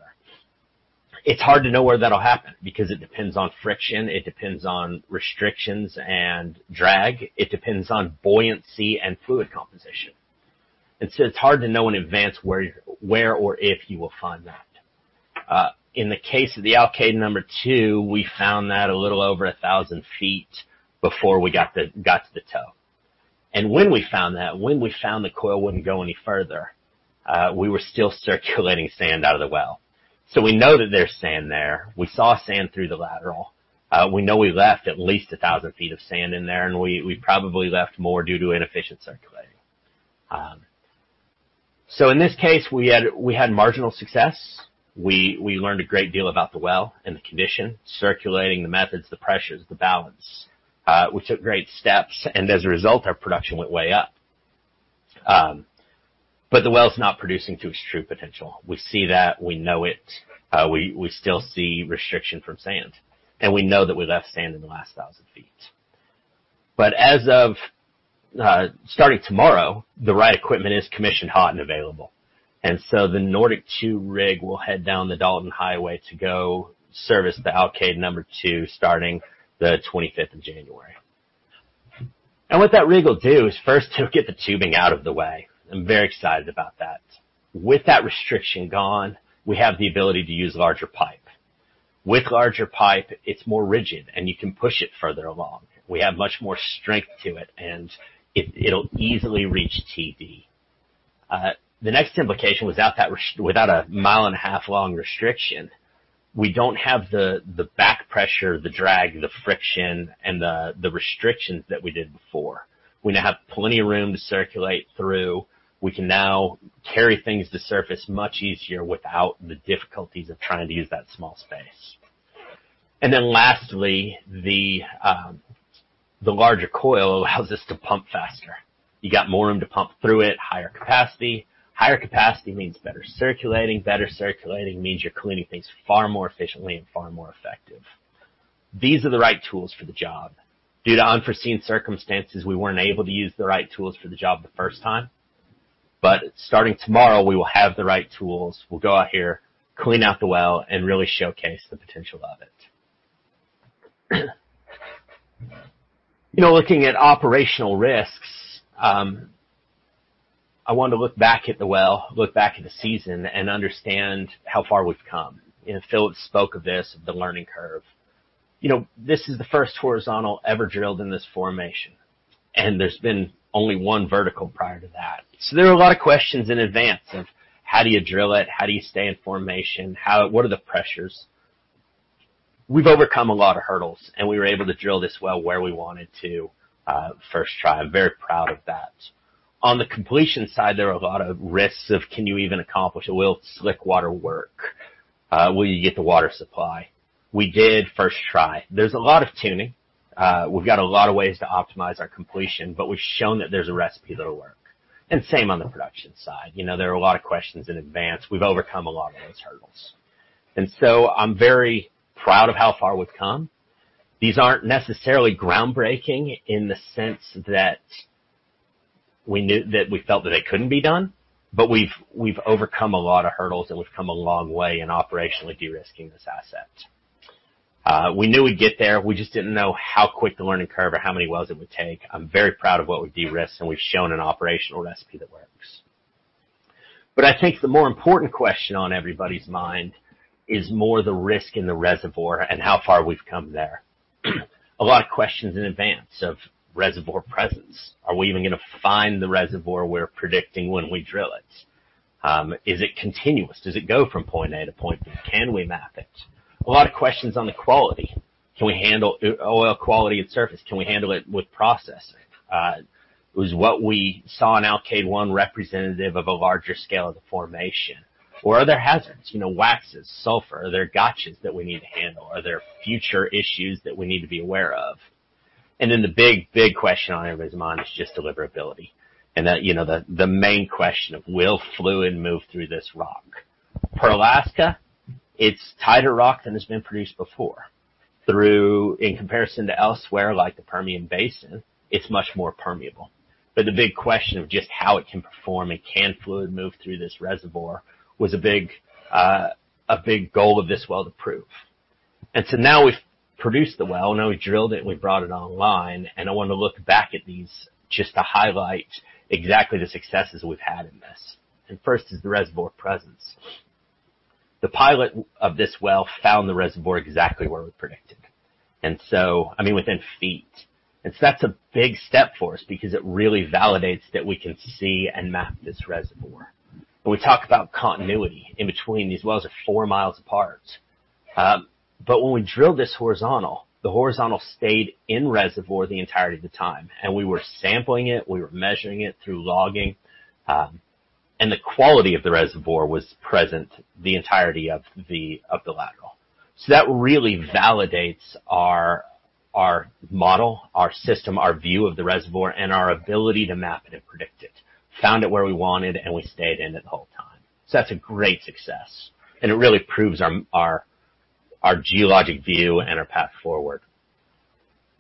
It's hard to know where that'll happen because it depends on friction, it depends on restrictions and drag, it depends on buoyancy and fluid composition. It's hard to know in advance where or if you will find that. In the case of the Alkaid-2, we found that a little over 1,000 feet before we got to the toe. When we found that the coil wouldn't go any further, we were still circulating sand out of the well. We know that there's sand there. We saw sand through the lateral. We know we left at least 1,000 feet of sand in there, and we probably left more due to inefficient circulating. In this case, we had marginal success. We learned a great deal about the well and the condition, circulation methods, the pressures, the balance. We took great steps and as a result, our production went way up. The well's not producing to its true potential. We see that, we know it. We still see restriction from sand, and we know that we left sand in the last 1,000 feet. As of starting tomorrow, the right equipment is commissioned hot and available. The Nordic 2 rig will head down the Dalton Highway to go service the Alkaid-2, starting the 25th of January. What that rig will do is first to get the tubing out of the way. I'm very excited about that. With that restriction gone, we have the ability to use larger pipe. With larger pipe, it's more rigid, and you can push it further along. We have much more strength to it, and it'll easily reach TD. The next implication, without a mile and a half long restriction, we don't have the back pressure, the drag, the friction, and the restrictions that we did before. We now have plenty of room to circulate through. We can now carry things to surface much easier without the difficulties of trying to use that small space. Then lastly, the larger coil allows us to pump faster. You got more room to pump through it, higher capacity. Higher capacity means better circulating. Better circulating means you're cleaning things far more efficiently and far more effective. These are the right tools for the job. Due to unforeseen circumstances, we weren't able to use the right tools for the job the first time. Starting tomorrow, we will have the right tools. We'll go out here, clean out the well, and really showcase the potential of it. You know, looking at operational risks, I want to look back at the well, look back at the season, and understand how far we've come. Phillip spoke of this, the learning curve. You know, this is the first horizontal ever drilled in this formation, and there's been only one vertical prior to that. There were a lot of questions in advance of how do you drill it? How do you stay in formation? What are the pressures? We've overcome a lot of hurdles, and we were able to drill this well where we wanted to, first try. I'm very proud of that. On the completion side, there are a lot of risks of can you even accomplish it? Will slickwater work? Will you get the water supply? We did first try. There's a lot of tuning. We've got a lot of ways to optimize our completion, but we've shown that there's a recipe that'll work. Same on the production side. You know, there are a lot of questions in advance. We've overcome a lot of those hurdles. I'm very proud of how far we've come. These aren't necessarily groundbreaking in the sense that we knew that we felt that they couldn't be done, but we've overcome a lot of hurdles, and we've come a long way in operationally de-risking this asset. We knew we'd get there. We just didn't know how quick the learning curve or how many wells it would take. I'm very proud of what we de-risked, and we've shown an operational recipe that works. I think the more important question on everybody's mind is more the risk in the reservoir and how far we've come there. A lot of questions in advance of reservoir presence. Are we even gonna find the reservoir we're predicting when we drill it? Is it continuous? Does it go from point A to point B? Can we map it? A lot of questions on the quality. Can we handle oil quality and surface? Can we handle it with processing? Was what we saw in Alkaid-1 representative of a larger scale of the formation? Or are there hazards, you know, waxes, sulfur? Are there gotchas that we need to handle? Are there future issues that we need to be aware of? Then the big, big question on everybody's mind is just deliverability. That, you know, the main question of will fluid move through this rock? For Alaska, it's tighter rock than has been produced before, in comparison to elsewhere, like the Permian Basin, it's much more permeable. The big question of just how it can perform and can fluid move through this reservoir was a big goal of this well to prove. Now we've produced the well, now we drilled it, and we brought it online, and I wanna look back at these just to highlight exactly the successes we've had in this. First is the reservoir presence. The pilot well of this well found the reservoir exactly where we predicted. I mean, within feet. That's a big step for us because it really validates that we can see and map this reservoir. When we talk about continuity in between these wells, they are four miles apart. But when we drilled this horizontal, the horizontal stayed in the reservoir the entirety of the time, and we were sampling it, we were measuring it through logging, and the quality of the reservoir was present the entirety of the lateral. That really validates our model, our system, our view of the reservoir, and our ability to map it and predict it. Found it where we wanted, and we stayed in it the whole time. That's a great success, and it really proves our geologic view and our path forward.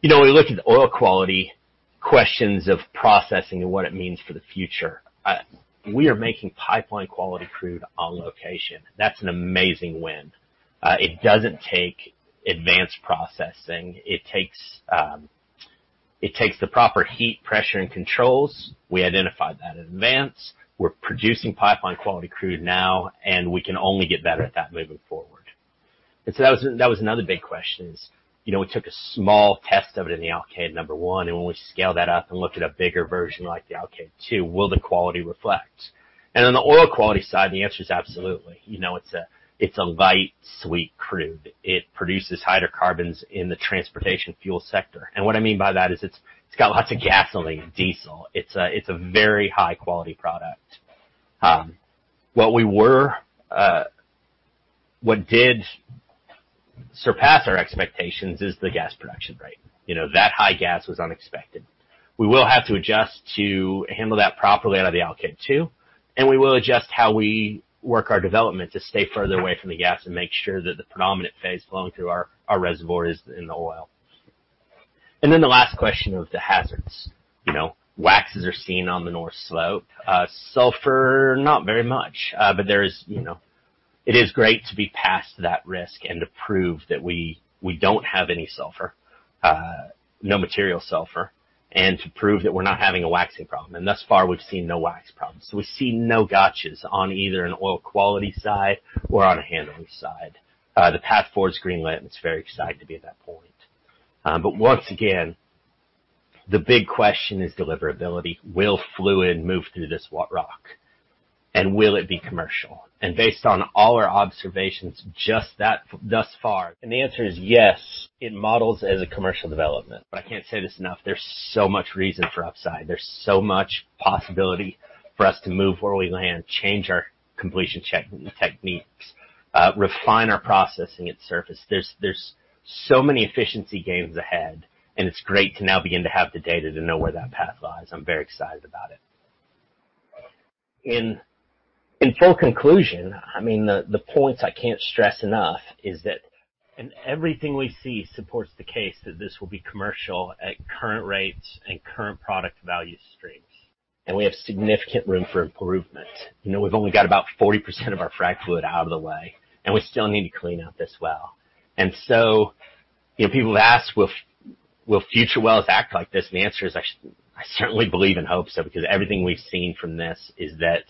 You know, when we look at the oil quality questions of processing and what it means for the future, we are making pipeline-quality crude on location. That's an amazing win. It doesn't take advanced processing. It takes the proper heat, pressure, and controls. We identified that in advance. We're producing pipeline-quality crude now, and we can only get better at that moving forward. That was another big question. You know, we took a small test of it in the Alkaid-1, and when we scale that up and looked at a bigger version like the Alkaid-2, will the quality reflect? On the oil quality side, the answer is absolutely. You know, it's a light sweet crude. It produces hydrocarbons in the transportation fuel sector. What I mean by that is it's got lots of gasoline and diesel. It's a very high-quality product. What surpassed our expectations is the gas production rate. You know, that high gas was unexpected. We will have to adjust to handle that properly out of the Alkaid-2, and we will adjust how we work our development to stay further away from the gas and make sure that the predominant phase flowing through our reservoir is in the oil. The last question of the hazards. You know, waxes are seen on the North Slope. Sulfur, not very much. It is great to be past that risk and to prove that we don't have any sulfur, no material sulfur, and to prove that we're not having a waxing problem. Thus far, we've seen no wax problems. We've seen no gotchas on either an oil quality side or on a handling side. The path forward is greenland, it's very exciting to be at that point. Once again, the big question is deliverability. Will fluid move through this rock? Will it be commercial? Based on all our observations thus far. The answer is yes, it models as a commercial development. I can't say this enough, there's so much reason for upside. There's so much possibility for us to move where we land, change our completion techniques, refine our processing at surface. There's so many efficiency gains ahead, and it's great to now begin to have the data to know where that path lies. I'm very excited about it. In full conclusion, I mean, the points I can't stress enough is that everything we see supports the case that this will be commercial at current rates and current product value streams. We have significant room for improvement. You know, we've only got about 40% of our fracked fluid out of the way, and we still need to clean out this well. You know, people have asked, will future wells act like this? The answer is I certainly believe and hope so because everything we've seen from this is that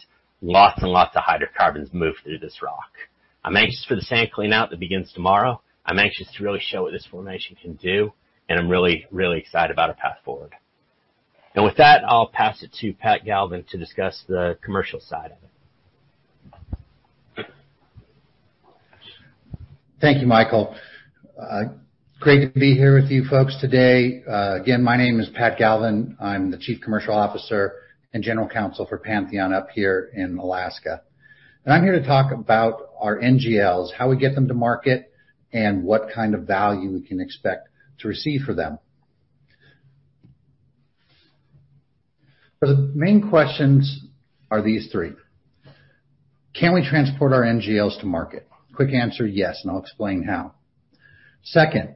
lots and lots of hydrocarbons move through this rock. I'm anxious for the sand clean out that begins tomorrow. I'm anxious to really show what this formation can do, and I'm really, really excited about our path forward. With that, I'll pass it to Pat Galvin to discuss the commercial side of it. Thank you, Michael. Great to be here with you folks today. Again, my name is Pat Galvin. I'm the Chief Commercial Officer and General Counsel for Pantheon up here in Alaska. I'm here to talk about our NGLs, how we get them to market, and what kind of value we can expect to receive for them. The main questions are these three. Can we transport our NGLs to market? Quick answer, yes, and I'll explain how. Second,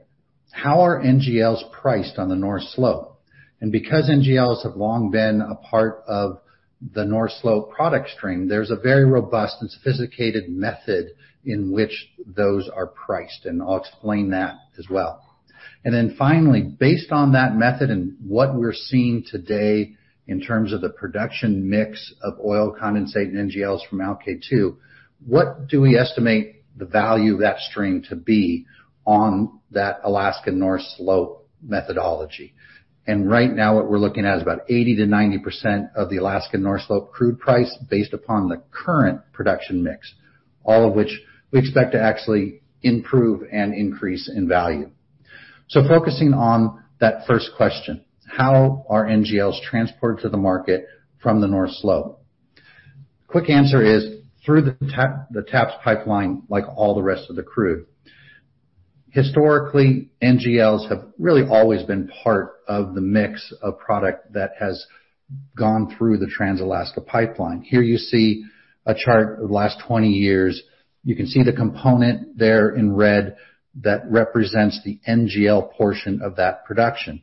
how are NGLs priced on the North Slope? Because NGLs have long been a part of the North Slope product stream, there's a very robust and sophisticated method in which those are priced, and I'll explain that as well. Then finally, based on that method and what we're seeing today in terms of the production mix of oil condensate and NGLs from Alkaid-2, what do we estimate the value of that stream to be on that Alaska North Slope methodology? Right now what we're looking at is about 80%-90% of the Alaska North Slope crude price based upon the current production mix, all of which we expect to actually improve and increase in value. Focusing on that first question, how are NGLs transported to the market from the North Slope? Quick answer is, through the TAPS pipeline, like all the rest of the crude. Historically, NGLs have really always been part of the mix of product that has gone through the Trans-Alaska pipeline. Here you see a chart of the last 20 years. You can see the component there in red that represents the NGL portion of that production.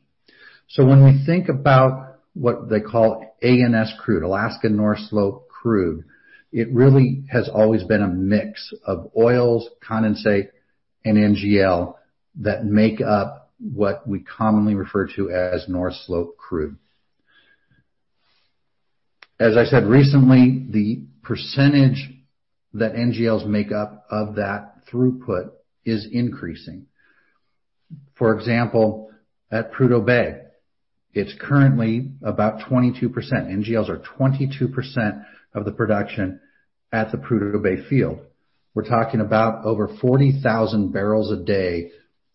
When we think about what they call ANS crude, Alaska North Slope crude, it really has always been a mix of oils, condensate, and NGL that make up what we commonly refer to as North Slope crude. As I said recently, the percentage that NGLs make up of that throughput is increasing. For example, at Prudhoe Bay, it's currently about 22%. NGLs are 22% of the production at the Prudhoe Bay field. We're talking about over 40,000 barrels a day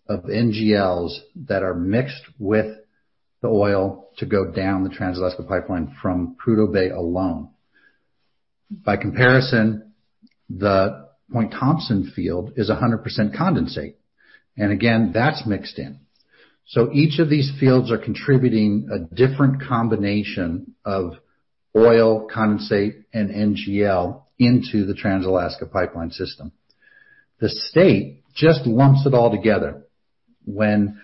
of NGLs that are mixed with the oil to go down the Trans-Alaska pipeline from Prudhoe Bay alone. By comparison, the Point Thompson field is 100% condensate, and again, that's mixed in. Each of these fields are contributing a different combination of oil, condensate, and NGL into the Trans-Alaska pipeline system. The state just lumps it all together. When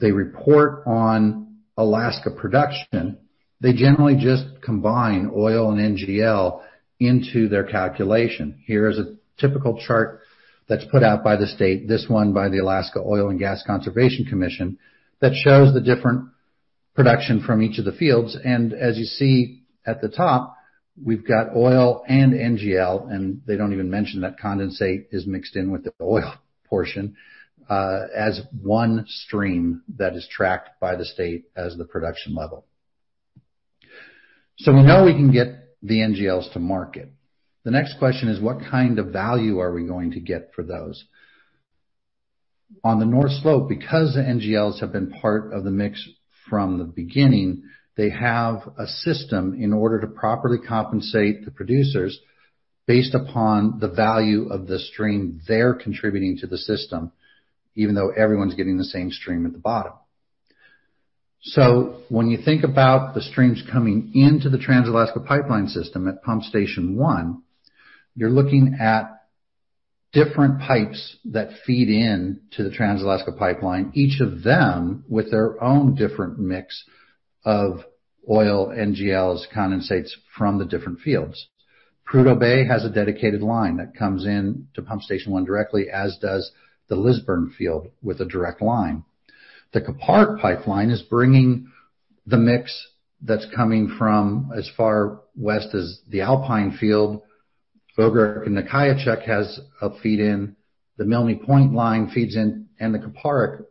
they report on Alaska production, they generally just combine oil and NGL into their calculation. Here is a typical chart that's put out by the state, this one by the Alaska Oil and Gas Conservation Commission, that shows the different production from each of the fields. As you see at the top, we've got oil and NGL, and they don't even mention that condensate is mixed in with the oil portion, as one stream that is tracked by the state as the production level. We know we can get the NGLs to market. The next question is, what kind of value are we going to get for those? On the North Slope, because the NGLs have been part of the mix from the beginning, they have a system in order to properly compensate the producers based upon the value of the stream they're contributing to the system, even though everyone's getting the same stream at the bottom. When you think about the streams coming into the Trans-Alaska Pipeline System at Pump Station One, you're looking at different pipes that feed in to the Trans-Alaska Pipeline, each of them with their own different mix of oil, NGLs, condensates from the different fields. Prudhoe Bay has a dedicated line that comes in to Pump Station One directly, as does the Lisburne Field with a direct line. The Kuparuk Pipeline is bringing the mix that's coming from as far west as the Alpine Field. Oooguruk and Nikaitchuq has a feed in, the Milne Point line feeds in, and the Kuparuk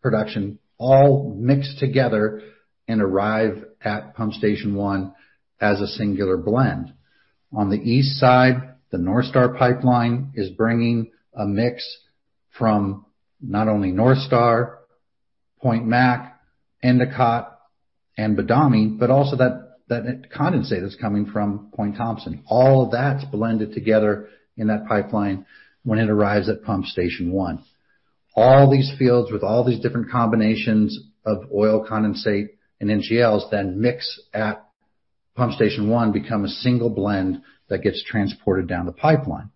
production all mix together and arrive at Pump Station One as a singular blend. On the east side, the North Star pipeline is bringing a mix from not only North Star, Point McIntyre, Endicott, and Badami, but also that condensate that's coming from Point Thompson. All that's blended together in that pipeline when it arrives at Pump Station One. All these fields with all these different combinations of oil condensate and NGLs then mix at Pump Station One, become a single blend that gets transported down the pipeline.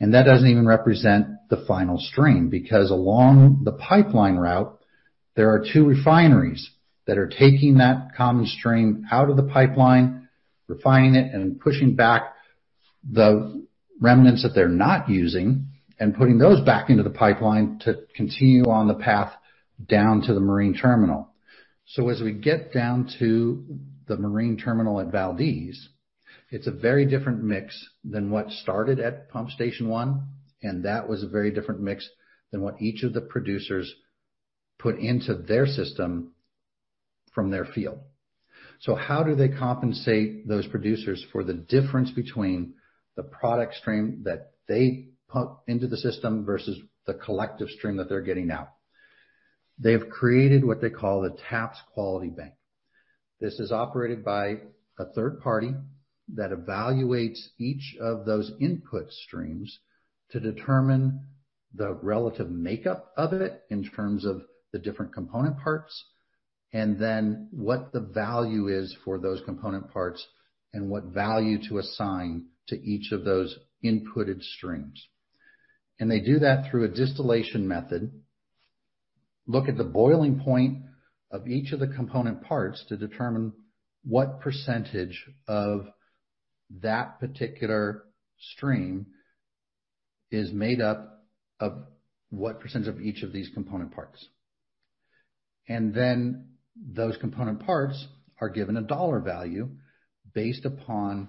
That doesn't even represent the final stream, because along the pipeline route, there are two refineries that are taking that common stream out of the pipeline, refining it, and pushing back the remnants that they're not using and putting those back into the pipeline to continue on the path down to the marine terminal. As we get down to the marine terminal at Valdez, it's a very different mix than what started at Pump Station One, and that was a very different mix than what each of the producers put into their system from their field. How do they compensate those producers for the difference between the product stream that they pump into the system versus the collective stream that they're getting out? They have created what they call the TAPS Quality Bank. This is operated by a third party that evaluates each of those input streams to determine the relative makeup of it in terms of the different component parts and then what the value is for those component parts and what value to assign to each of those inputted streams. They do that through a distillation method. They look at the boiling point of each of the component parts to determine what percentage of that particular stream is made up of what percentage of each of these component parts. Those component parts are given a dollar value based upon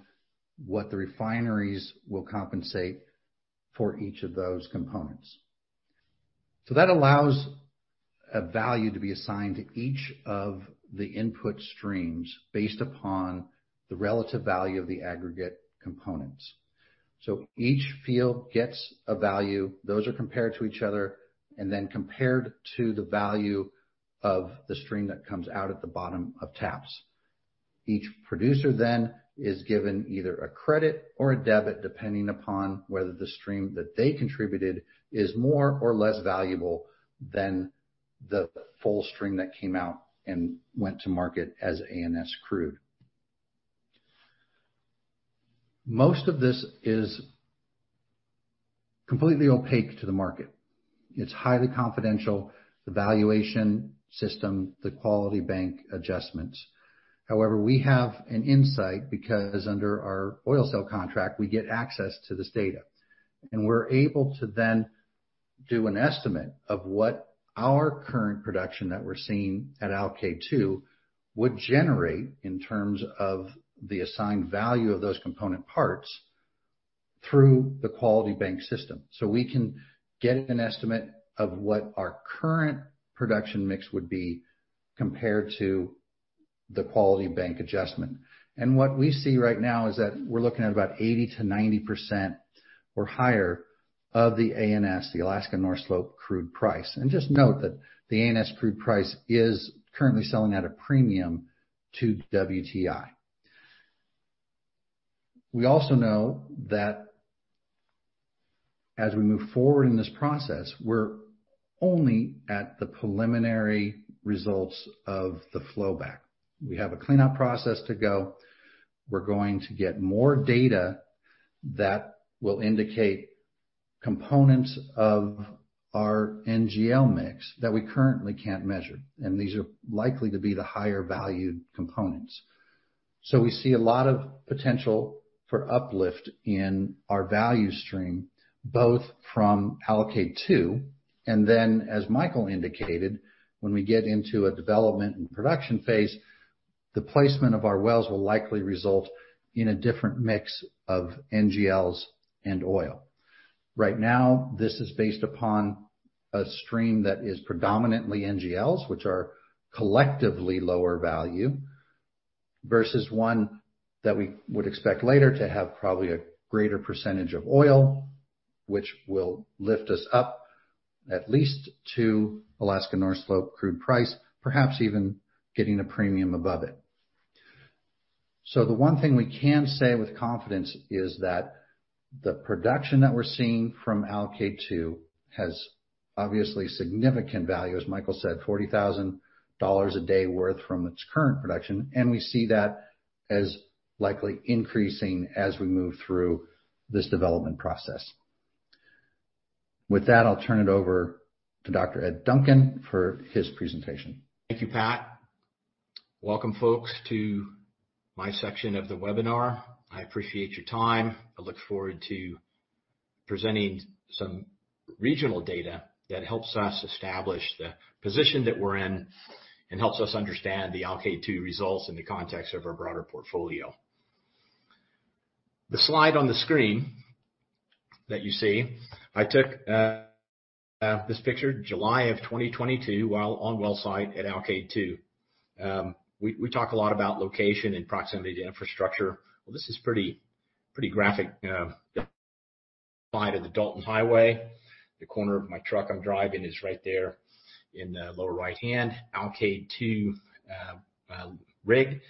what the refineries will compensate for each of those components. That allows a value to be assigned to each of the input streams based upon the relative value of the aggregate components. Each field gets a value, those are compared to each other, and then compared to the value of the stream that comes out at the bottom of TAPS. Each producer then is given either a credit or a debit, depending upon whether the stream that they contributed is more or less valuable than the full stream that came out and went to market as ANS crude. Most of this is completely opaque to the market. It's highly confidential, the valuation system, the Quality Bank adjustments. However, we have an insight because under our oil sale contract, we get access to this data, and we're able to then do an estimate of what our current production that we're seeing at Alkaid-2 would generate in terms of the assigned value of those component parts through the Quality Bank system. We can get an estimate of what our current production mix would be compared to the quality bank adjustment. What we see right now is that we're looking at about 80%-90% or higher of the ANS, the Alaska North Slope crude price. Just note that the ANS crude price is currently selling at a premium to WTI. We also know that as we move forward in this process, we're only at the preliminary results of the flow back. We have a cleanup process to go. We're going to get more data that will indicate components of our NGL mix that we currently can't measure, and these are likely to be the higher valued components. We see a lot of potential for uplift in our value stream, both from Alkaid-2, and then, as Michael indicated, when we get into a development and production phase, the placeme`nt of our wells will likely result in a different mix of NGLs and oil. Right now, this is based upon a stream that is predominantly NGLs, which are collectively lower value, versus one that we would expect later to have probably a greater percentage of oil, which will lift us up at least to Alaska North Slope crude price, perhaps even getting a premium above it. The one thing we can say with confidence is that the production that we're seeing from Alkaid-2 has obviously significant value. As Michael said, $40,000 a day worth from its current production, and we see that as likely increasing as we move through this development process. With that, I'll turn it over to Dr. Ed Duncan for his presentation. Thank you, Pat. Welcome, folks, to my section of the webinar. I appreciate your time. I look forward to presenting some regional data that helps us establish the position that we're in and helps us understand the Alkaid-2 results in the context of our broader portfolio. The slide on the screen that you see, I took this picture July of 2022 while on well site at Alkaid-2. We talk a lot about location and proximity to infrastructure. This is pretty graphic side of the Dalton Highway. The corner of my truck I'm driving is right there in the lower right-hand. Alkaid-2 rig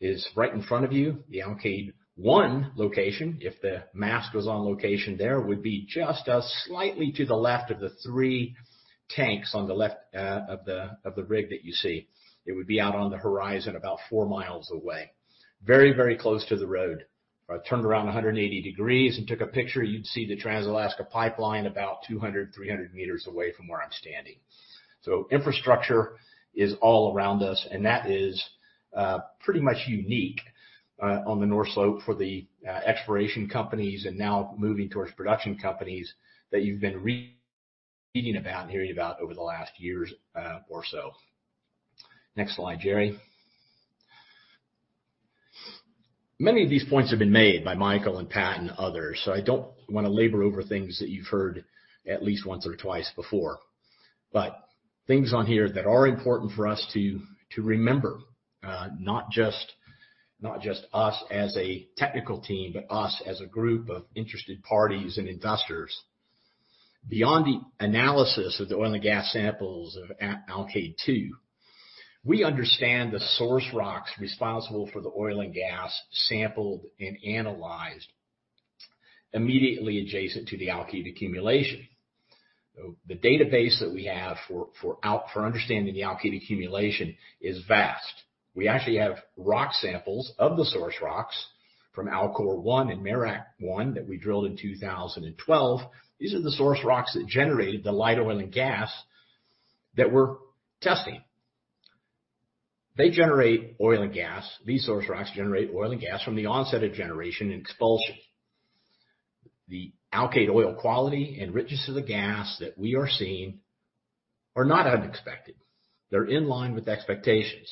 is right in front of you. The Alkaid-1 location, if the mast was on location, there would be just slightly to the left of the three tanks on the left of the rig that you see. It would be out on the horizon about 4 miles away. Very, very close to the road. If I turned around 180 degrees and took a picture, you'd see the Trans-Alaska Pipeline about 200-300 meters away from where I'm standing. Infrastructure is all around us, and that is pretty much unique on the North Slope for the exploration companies and now moving towards production companies that you've been reading about and hearing about over the last years or so. Next slide, Jerry. Many of these points have been made by Michael and Pat and others, so I don't wanna labor over things that you've heard at least once or twice before. Things on here that are important for us to remember, not just us as a technical team, but us as a group of interested parties and investors. Beyond the analysis of the oil and gas samples of Alkaid-2, we understand the source rocks responsible for the oil and gas sampled and analyzed immediately adjacent to the Alkaid accumulation. The database that we have for understanding the Alkaid accumulation is vast. We actually have rock samples of the source rocks from Alkaid-1 and Merak-1 that we drilled in 2012. These are the source rocks that generated the light oil and gas that we're testing. They generate oil and gas. These source rocks generate oil and gas from the onset of generation and expulsion. The Alkaid oil quality and richness of the gas that we are seeing are not unexpected. They're in line with expectations.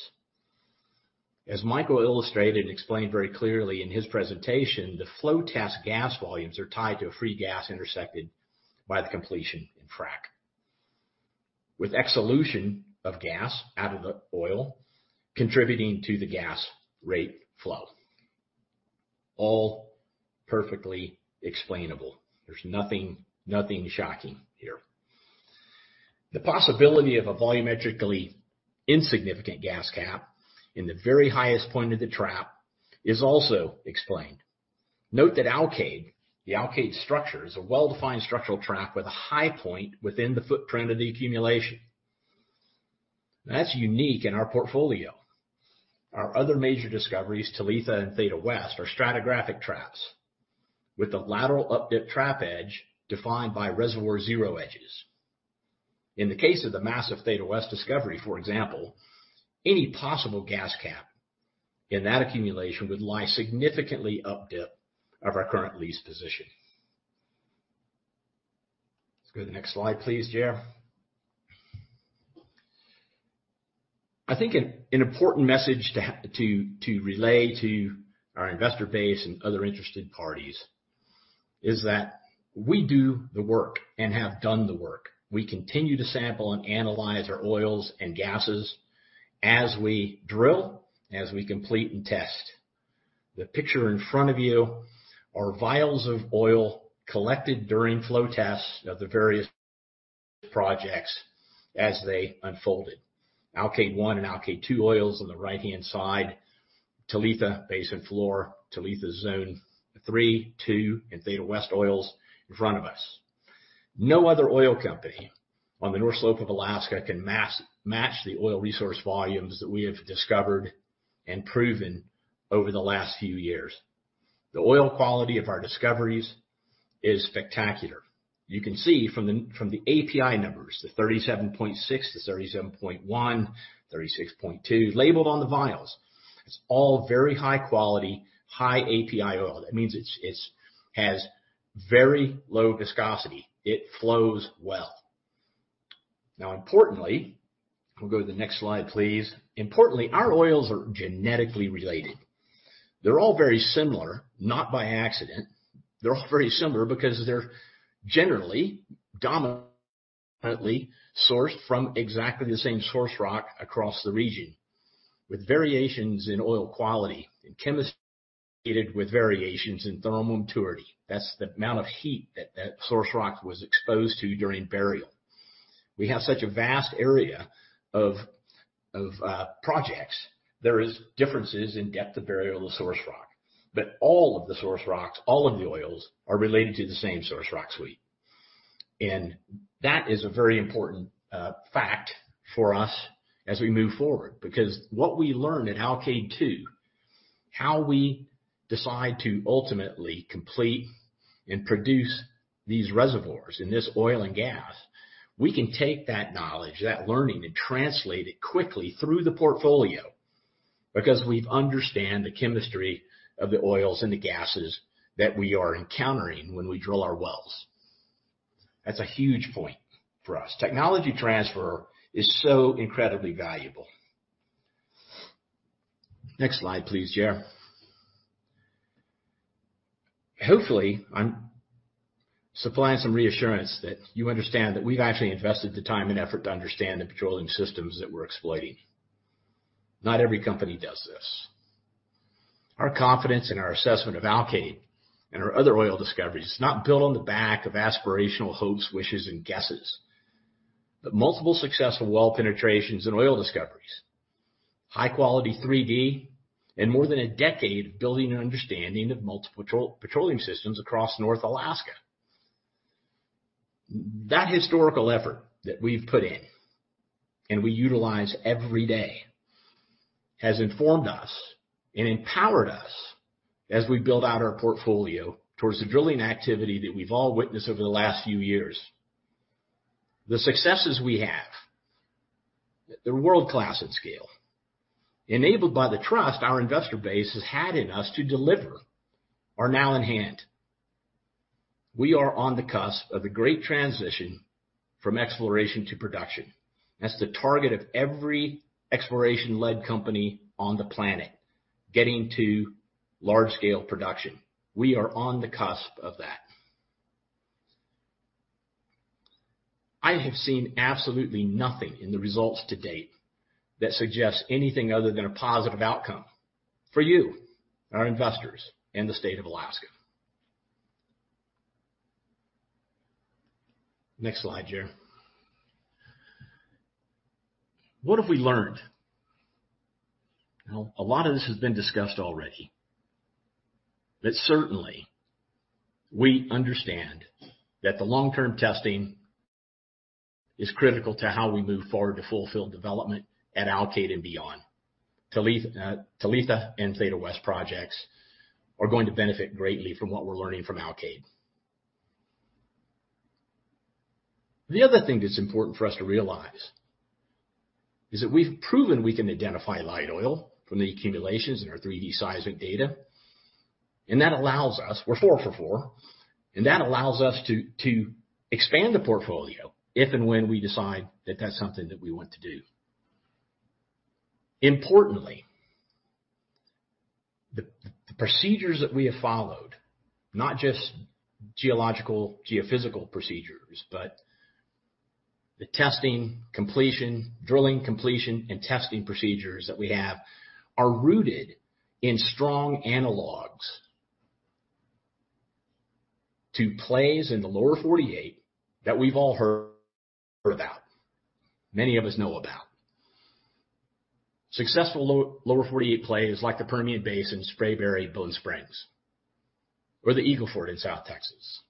As Michael illustrated and explained very clearly in his presentation, the flow test gas volumes are tied to a free gas intersected by the completion in frack, with exsolution of gas out of the oil contributing to the gas rate flow. All perfectly explainable. There's nothing shocking here. The possibility of a volumetrically insignificant gas cap in the very highest point of the trap is also explained. Note that Alkaid, the Alkaid structure, is a well-defined structural trap with a high point within the footprint of the accumulation. That's unique in our portfolio. Our other major discoveries, Talitha and Theta West, are stratigraphic traps with the lateral up-dip trap edge defined by reservoir zero edges. In the case of the massive Theta West discovery, for example, any possible gas cap in that accumulation would lie significantly up-dip of our current lease position. Let's go to the next slide, please, Jerry. I think an important message to relay to our investor base and other interested parties is that we do the work and have done the work. We continue to sample and analyze our oils and gases as we drill, as we complete and test. The picture in front of you are vials of oil collected during flow tests of the various projects as they unfolded. Alkaid-1 and Alkaid-2 oils on the right-hand side. Talitha basin floor, Talitha Zone 3, 2, and Theta West oils in front of us. No other oil company on the North Slope of Alaska can match the oil resource volumes that we have discovered and proven over the last few years. The oil quality of our discoveries is spectacular. You can see from the API numbers, the 37.6, the 37.1, 36.2 labeled on the vials. It's all very high quality, high API oil. That means it has very low viscosity. It flows well. Now, importantly. We'll go to the next slide, please. Importantly, our oils are genetically related. They're all very similar, not by accident. They're all very similar because they're generally dominantly sourced from exactly the same source rock across the region, with variations in oil quality and chemistry with variations in thermal maturity. That's the amount of heat that that source rock was exposed to during burial. We have such a vast area of projects. There is differences in depth of burial of source rock. But all of the source rocks, all of the oils are related to the same source rock suite. That is a very important fact for us as we move forward, because what we learned at Alkaid-2, how we decide to ultimately complete and produce these reservoirs in this oil and gas, we can take that knowledge, that learning, and translate it quickly through the portfolio because we understand the chemistry of the oils and the gases that we are encountering when we drill our wells. That's a huge point for us. Technology transfer is so incredibly valuable. Next slide, please, Jerry. Hopefully, I'm supplying some reassurance that you understand that we've actually invested the time and effort to understand the petroleum systems that we're exploiting. Not every company does this. Our confidence in our assessment of Alkaid and our other oil discoveries is not built on the back of aspirational hopes, wishes, and guesses, but multiple successful well penetrations and oil discoveries, high-quality 3-D, and more than a decade of building an understanding of multiple petroleum systems across North Alaska. That historical effort that we've put in, and we utilize every day, has informed us and empowered us as we build out our portfolio towards the drilling activity that we've all witnessed over the last few years. The successes we have, they're world-class in scale, enabled by the trust our investor base has had in us to deliver, are now in hand. We are on the cusp of the great transition from exploration to production. That's the target of every exploration-led company on the planet: getting to large-scale production. We are on the cusp of that. I have seen absolutely nothing in the results to date that suggests anything other than a positive outcome for you, our investors, and the state of Alaska. Next slide, Jerry. What have we learned? Now, a lot of this has been discussed already, but certainly we understand that the long-term testing is critical to how we move forward to fulfill development at Alkaid and beyond. Talitha and Theta West projects are going to benefit greatly from what we're learning from Alkaid. The other thing that's important for us to realize is that we've proven we can identify light oil from the accumulations in our 3-D seismic data, and that allows us We're 4 for 4, and that allows us to expand the portfolio if and when we decide that that's something that we want to do. Importantly, the procedures that we have followed, not just geological, geophysical procedures, but the testing completion, drilling completion, and testing procedures that we have, are rooted in strong analogs to plays in the Lower 48 that we've all heard about, many of us know about. Successful Lower 48 plays like the Permian Basin, Spraberry/Bone Spring or the Eagle Ford in South Texas.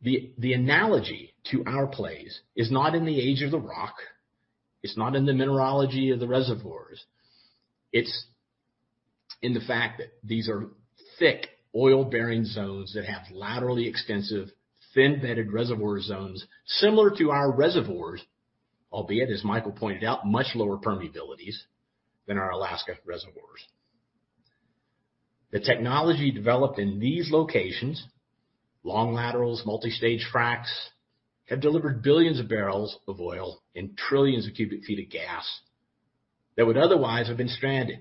The analogy to our plays is not in the age of the rock. It's not in the mineralogy of the reservoirs. It's in the fact that these are thick oil-bearing zones that have laterally extensive thin-bedded reservoir zones similar to our reservoirs, albeit, as Michael pointed out, much lower permeabilities than our Alaska reservoirs. The technology developed in these locations, long laterals, multi-stage fracs, have delivered billions of barrels of oil and trillions of cubic feet of gas that would otherwise have been stranded.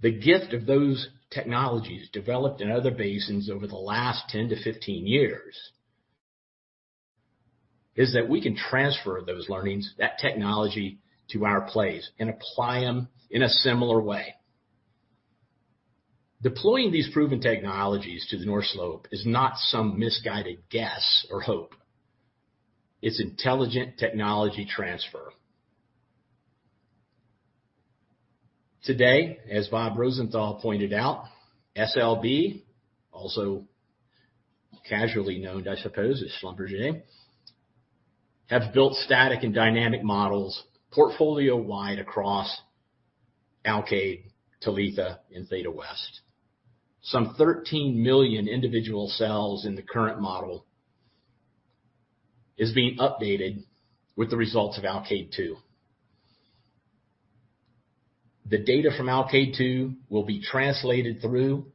The gift of those technologies developed in other basins over the last 10-15 years is that we can transfer those learnings, that technology, to our plays and apply them in a similar way. Deploying these proven technologies to the North Slope is not some misguided guess or hope. It's intelligent technology transfer. Today, as Bob Rosenthal pointed out, SLB, also casually known, I suppose, as Schlumberger, have built static and dynamic models portfolio-wide across Alkaid, Talitha and Theta West. Some 13 million individual cells in the current model is being updated with the results of Alkaid-2. The data from Alkaid-2 will be translated through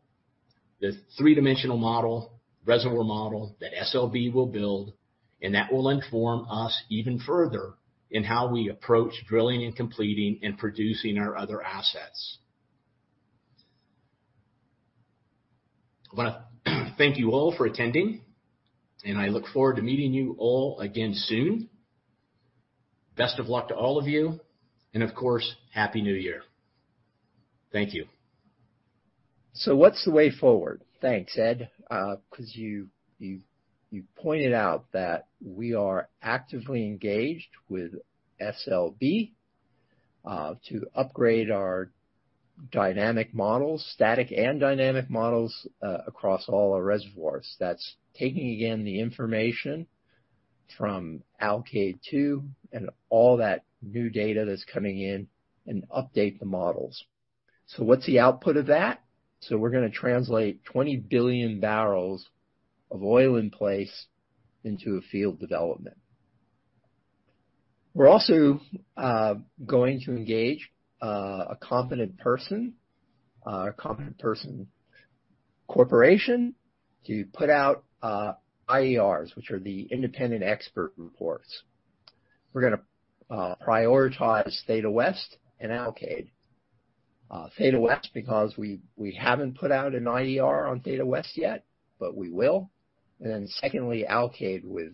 the three-dimensional model, reservoir model that SLB will build, and that will inform us even further in how we approach drilling and completing and producing our other assets. I wanna thank you all for attending, and I look forward to meeting you all again soon. Best of luck to all of you and of course, Happy New Year. Thank you. What's the way forward? Thanks, Ed, 'cause you pointed out that we are actively engaged with SLB to upgrade our dynamic models, static and dynamic models, across all our reservoirs. That's taking, again, the information from Alkaid-2 and all that new data that's coming in and update the models. What's the output of that? We're gonna translate 20 billion barrels of oil in place into a field development. We're also going to engage a competent person corporation to put out IERs, which are the independent expert reports. We're gonna prioritize Theta West and Alkaid. Theta West because we haven't put out an IER on Theta West yet, but we will. Then secondly, Alkaid with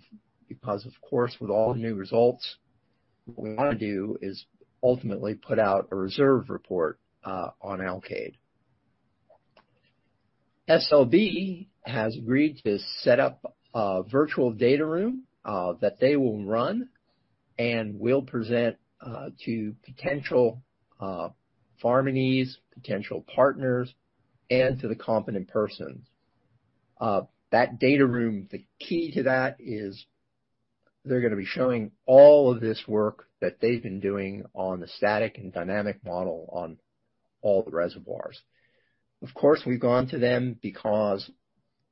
Because of course, with all the new results, what we wanna do is ultimately put out a reserve report on Alkaid. SLB has agreed to set up a virtual data room that they will run and will present to potential farminees, potential partners, and to the competent persons. That data room, the key to that is they're gonna be showing all of this work that they've been doing on the static and dynamic model on all the reservoirs. Of course, we've gone to them because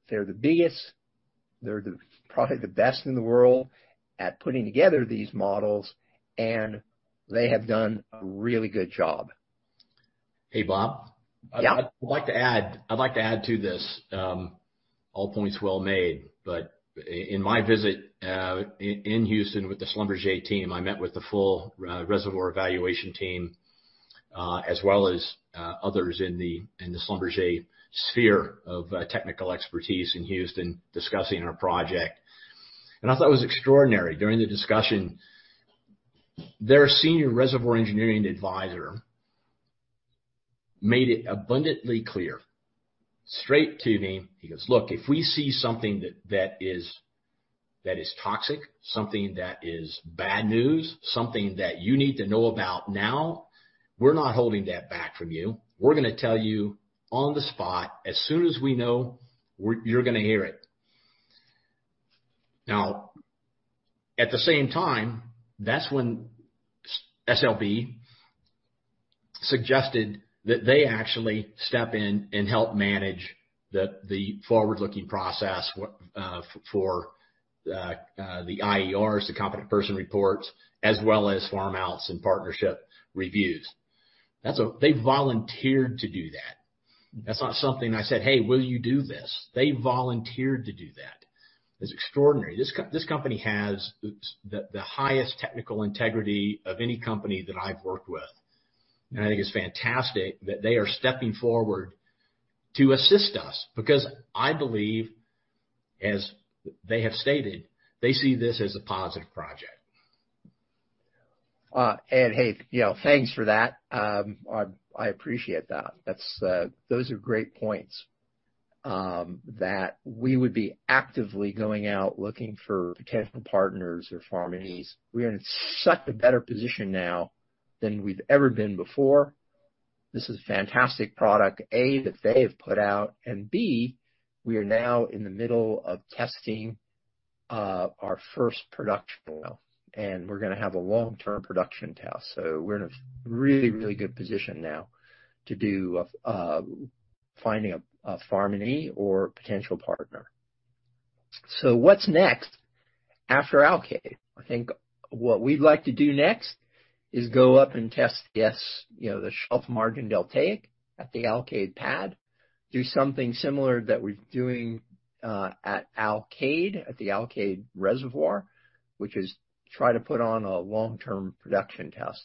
they're the biggest, probably the best in the world at putting together these models, and they have done a really good job. Hey, Bob. Yeah. I'd like to add to this. All points well made, but in my visit in Houston with the Schlumberger team, I met with the full reservoir evaluation team, as well as others in the Schlumberger sphere of technical expertise in Houston discussing our project. I thought it was extraordinary during the discussion, their senior reservoir engineering advisor Made it abundantly clear, straight to me. He goes, "Look, if we see something that is toxic, something that is bad news, something that you need to know about now, we're not holding that back from you. We're gonna tell you on the spot. As soon as we know, you're gonna hear it." Now, at the same time, that's when SLB suggested that they actually step in and help manage the forward-looking process for the IERs, the competent person reports, as well as farm-outs and partnership reviews. That's. They volunteered to do that. That's not something I said, "Hey, will you do this?" They volunteered to do that. It's extraordinary. This company has the highest technical integrity of any company that I've worked with. I think it's fantastic that they are stepping forward to assist us, because I believe, as they have stated, they see this as a positive project. Hey, you know, thanks for that. I appreciate that. That's those are great points that we would be actively going out, looking for potential partners or farminees. We're in such a better position now than we've ever been before. This is a fantastic product, A, that they have put out, and B, we are now in the middle of testing our first production well, and we're gonna have a long-term production test. We're in a really, really good position now to do finding a farminee or potential partner. What's next after Alkaid? I think what we'd like to do next is go up and test the S, you know, the Shelf Margin Deltaic at the Alkaid pad. Do something similar that we're doing at Alkaid, at the Alkaid Reservoir, which is try to put on a long-term production test.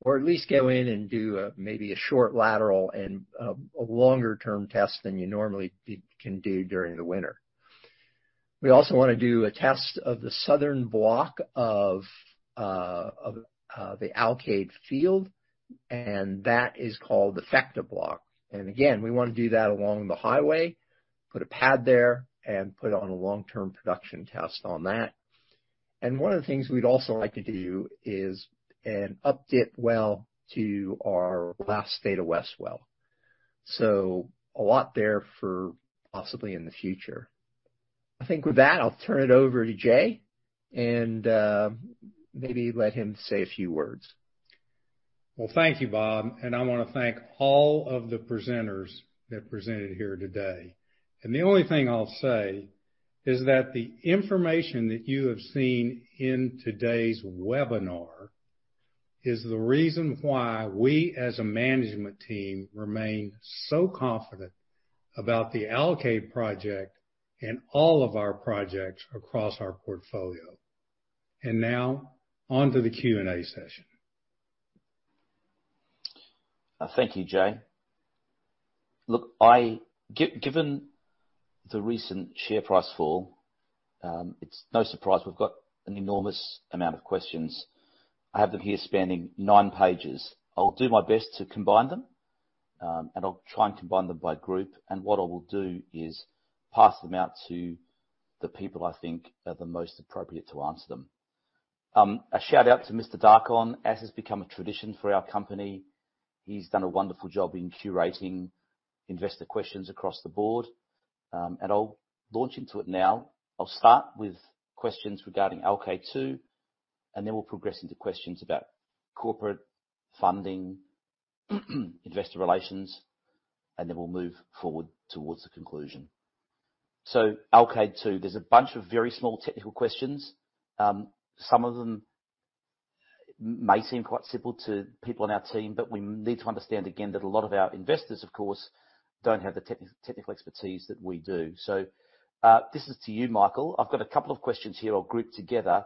Or at least go in and do maybe a short lateral and a longer-term test than you normally can do during the winter. We also wanna do a test of the southern block of the Alkaid field, and that is called the Afecta Block. We wanna do that along the highway, put a pad there, and put on a long-term production test on that. One of the things we'd also like to do is an update well to our last Theta West well. A lot there for possibly in the future. I think with that, I'll turn it over to Jay and, maybe let him say a few words. Well, thank you, Bob, and I wanna thank all of the presenters that presented here today. The only thing I'll say is that the information that you have seen in today's webinar is the reason why we, as a management team, remain so confident about the Alkaid project and all of our projects across our portfolio. Now onto the Q&A session. Thank you, Jay. Given the recent share price fall, it's no surprise we've got an enormous amount of questions. I have them here spanning nine pages. I'll do my best to combine them, and I'll try and combine them by group, and what I will do is pass them out to the people I think are the most appropriate to answer them. A shout-out to Mr. Darko, as has become a tradition for our company. He's done a wonderful job in curating investor questions across the board. I'll launch into it now. I'll start with questions regarding Alkaid 2, and then we'll progress into questions about corporate funding, investor relations, and then we'll move forward towards the conclusion. Alkaid 2, there's a bunch of very small technical questions. Some of them may seem quite simple to people on our team, but we need to understand again that a lot of our investors, of course, don't have the technical expertise that we do. This is to you, Michael. I've got a couple of questions here I'll group together,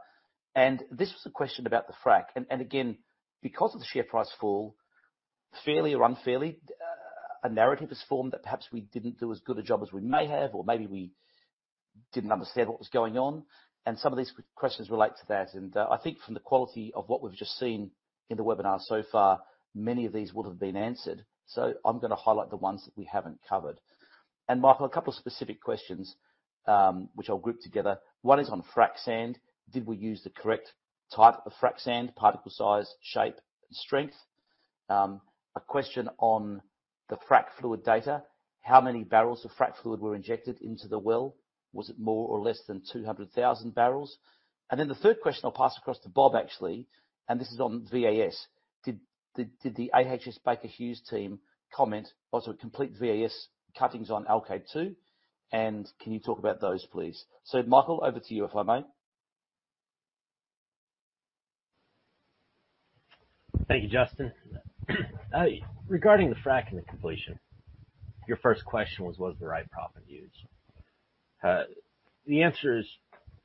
and this was a question about the frack. Again, because of the share price fall, fairly or unfairly, a narrative is formed that perhaps we didn't do as good a job as we may have or maybe we didn't understand what was going on, and some of these questions relate to that. I think from the quality of what we've just seen in the webinar so far, many of these would have been answered. I'm gonna highlight the ones that we haven't covered. Michael, a couple of specific questions, which I'll group together. One is on frack sand. Did we use the correct type of frack sand, particle size, shape, and strength? A question on the frack fluid data. How many barrels of frack fluid were injected into the well? Was it more or less than 200,000 barrels? The third question I'll pass across to Bob, actually, and this is on VAS. Did the AHS Baker Hughes team comment or sort of complete VAS cuttings on Alkaid-2? Can you talk about those, please? Michael, over to you, if I may. Thank you, Justin. Regarding the frack and the completion, your first question was the right proppant used? The answer is,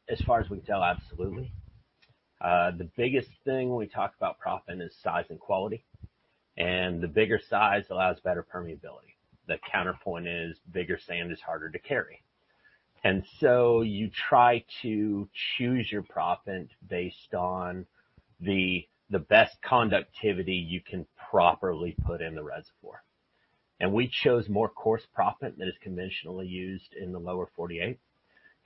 as far as we can tell, absolutely. The biggest thing when we talk about proppant is size and quality. The bigger size allows better permeability. The counterpoint is, bigger sand is harder to carry. You try to choose your proppant based on the best conductivity you can properly put in the reservoir. We chose more coarse proppant that is conventionally used in the lower forty-eight.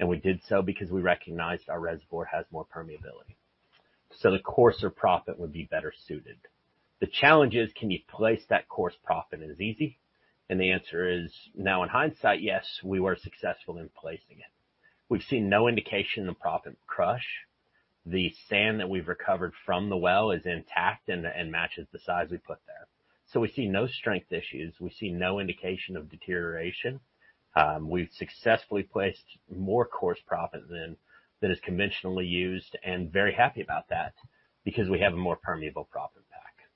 We did so because we recognized our reservoir has more permeability. The coarser proppant would be better suited. The challenge is can you place that coarse proppant as easy? The answer is, now in hindsight, yes, we were successful in placing it. We've seen no indication of proppant crush. The sand that we've recovered from the well is intact and matches the size we put there. We see no strength issues. We see no indication of deterioration. We've successfully placed more coarse proppant than that is conventionally used, and very happy about that because we have a more permeable proppant pack.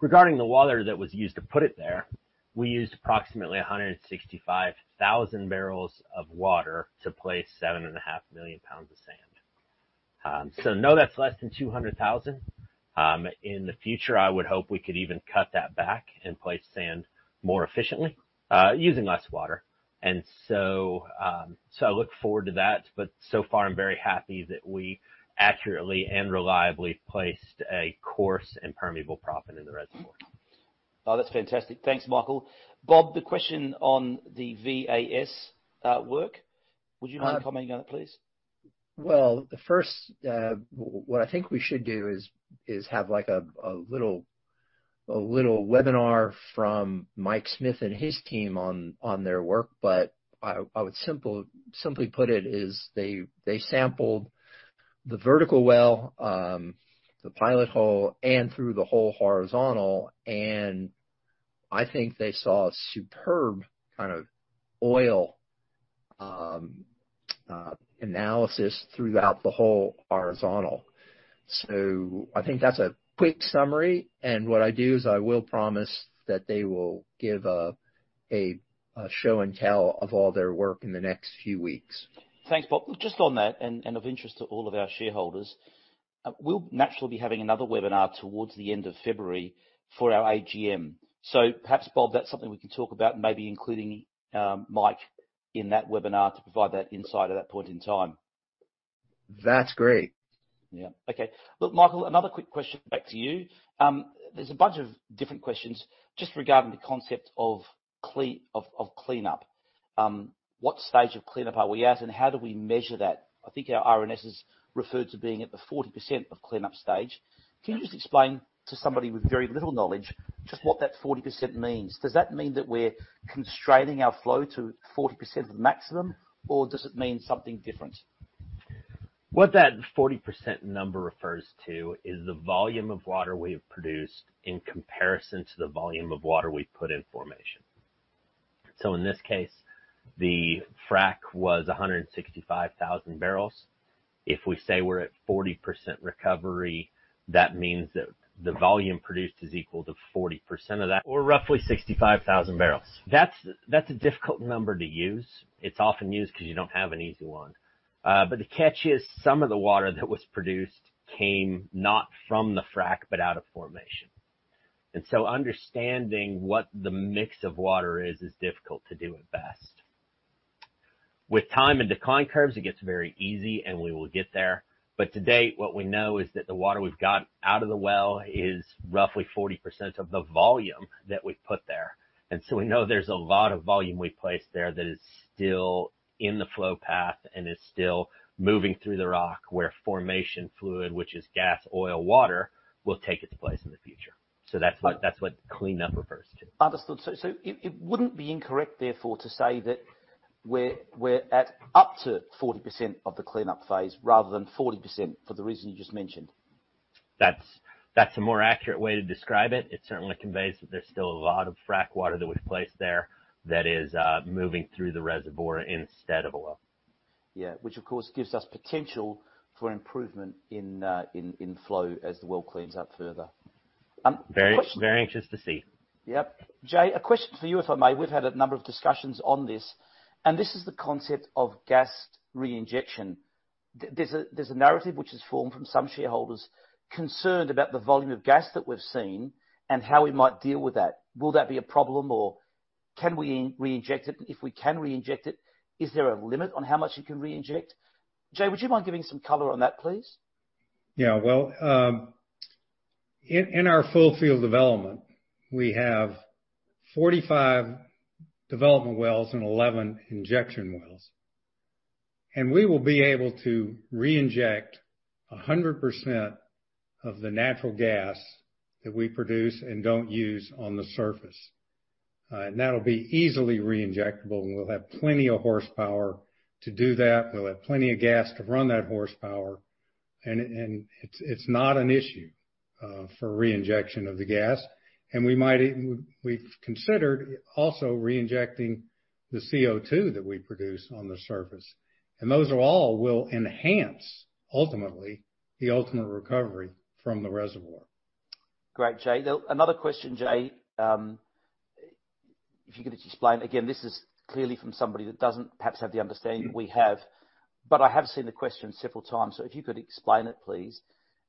Regarding the water that was used to put it there, we used approximately 165,000 barrels of water to place 7.5 million pounds of sand. No, that's less than 200,000. In the future, I would hope we could even cut that back and place sand more efficiently using less water. I look forward to that, but so far I'm very happy that we accurately and reliably placed a coarse and permeable proppant in the reservoir. Oh, that's fantastic. Thanks, Michael. Bob, the question on the VAS work, would you mind commenting on it, please? Well, first, what I think we should do is have like a little webinar from Mike Smith and his team on their work. But I would simply put it is they sampled the vertical well, the pilot hole and through the whole horizontal, and I think they saw a superb kind of oil analysis throughout the whole horizontal. So I think that's a quick summary. What I do is I will promise that they will give a show and tell of all their work in the next few weeks. Thanks, Bob. Just on that, and of interest to all of our shareholders, we'll naturally be having another webinar towards the end of February for our AGM. Perhaps, Bob, that's something we can talk about, maybe including Mike in that webinar to provide that insight at that point in time. That's great. Yeah. Okay. Look, Michael, another quick question back to you. There's a bunch of different questions just regarding the concept of cleanup. What stage of cleanup are we at and how do we measure that? I think our RNS is referred to being at the 40% of cleanup stage. Can you just explain to somebody with very little knowledge just what that 40% means? Does that mean that we're constraining our flow to 40% of the maximum, or does it mean something different? What that 40% number refers to is the volume of water we have produced in comparison to the volume of water we put in formation. In this case, the frack was 165,000 barrels. If we say we're at 40% recovery, that means that the volume produced is equal to 40% of that or roughly 65,000 barrels. That's a difficult number to use. It's often used 'cause you don't have an easy one. But the catch is some of the water that was produced came not from the frack, but out of formation. Understanding what the mix of water is difficult to do at best. With time and decline curves, it gets very easy and we will get there. To date, what we know is that the water we've got out of the well is roughly 40% of the volume that we've put there. We know there's a lot of volume we placed there that is still in the flow path and is still moving through the rock where formation fluid, which is gas, oil, water, will take its place in the future. That's what cleanup refers to. Understood. It wouldn't be incorrect therefore to say that we're at up to 40% of the cleanup phase rather than 40% for the reason you just mentioned. That's a more accurate way to describe it. It certainly conveys that there's still a lot of frack water that we've placed there that is moving through the reservoir instead of oil. Yeah. Which of course gives us potential for improvement in flow as the well cleans up further. Question- Very, very anxious to see. Yep. Jay, a question for you, if I may. We've had a number of discussions on this, and this is the concept of gas reinjection. There's a narrative which is formed from some shareholders concerned about the volume of gas that we've seen and how we might deal with that. Will that be a problem or can we reinject it? If we can reinject it, is there a limit on how much you can reinject? Jay, would you mind giving some color on that, please? Yeah. Well, in our full field development, we have 45 development wells and 11 injection wells. We will be able to reinject 100% of the natural gas that we produce and don't use on the surface. That'll be easily reinjectable, and we'll have plenty of horsepower to do that. We'll have plenty of gas to run that horsepower. It's not an issue for reinjection of the gas. We've considered also reinjecting the CO2 that we produce on the surface. Those all will enhance ultimately the ultimate recovery from the reservoir. Great, Jay. Another question, Jay. If you could explain. Again, this is clearly from somebody that doesn't perhaps have the understanding we have. But I have seen the question several times, so if you could explain it, please.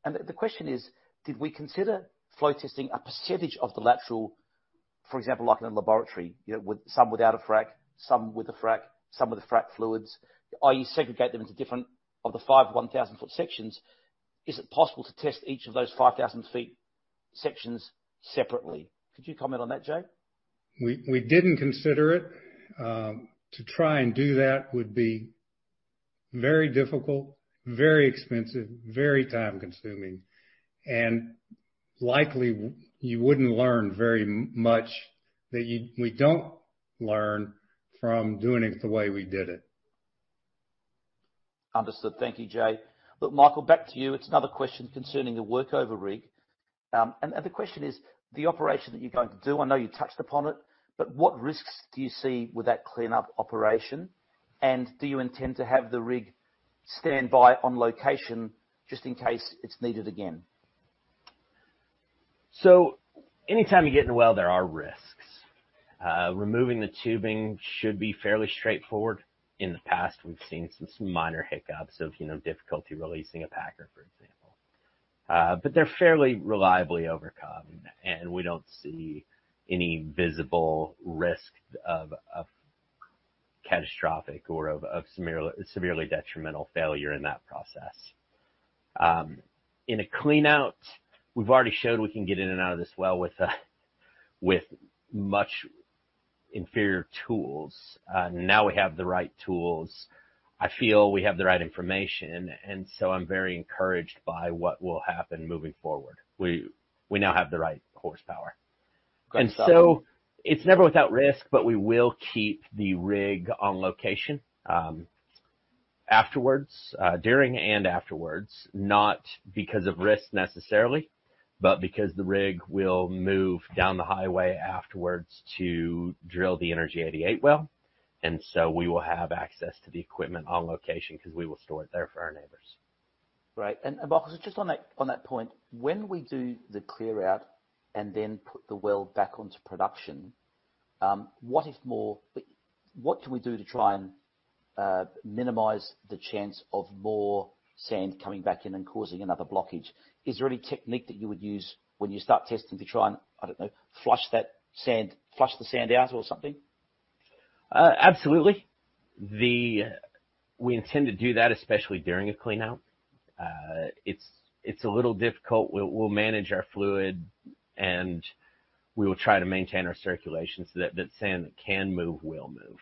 The question is, did we consider flow testing a percentage of the lateral, for example, like in a laboratory, you know, with some without a frack, some with a frack, some with the frack fluids, i.e. segregate them into different of the five 1,000-foot sections. Is it possible to test each of those 5,000-foot sections separately? Could you comment on that, Jay? We didn't consider it. To try and do that would be very difficult, very expensive, very time-consuming, and likely you wouldn't learn very much that we don't learn from doing it the way we did it. Understood. Thank you, Jay. Look, Michael, back to you. It's another question concerning the workover rig. And the question is the operation that you're going to do, I know you touched upon it, but what risks do you see with that cleanup operation? And do you intend to have the rig stand by on location just in case it's needed again? Anytime you get in a well, there are risks. Removing the tubing should be fairly straightforward. In the past, we've seen some minor hiccups of, you know, difficulty releasing a packer, for example. They're fairly reliably overcome, and we don't see any visible risk of catastrophic or of severely detrimental failure in that process. In a clean out, we've already showed we can get in and out of this well with much inferior tools. Now we have the right tools. I feel we have the right information, and so I'm very encouraged by what will happen moving forward. We now have the right horsepower. Go ahead, Michael. It's never without risk, but we will keep the rig on location, afterwards, during and afterwards, not because of risk necessarily, but because the rig will move down the highway afterwards to drill the 88 Energy well. We will have access to the equipment on location because we will store it there for our neighbors. Right. Michael, just on that point, when we do the clear out and then put the well back onto production, what can we do to try and minimize the chance of more sand coming back in and causing another blockage? Is there any technique that you would use when you start testing to try and, I don't know, flush the sand out or something? Absolutely. We intend to do that, especially during a clean out. It's a little difficult. We'll manage our fluid, and we will try to maintain our circulation so that the sand that can move will move.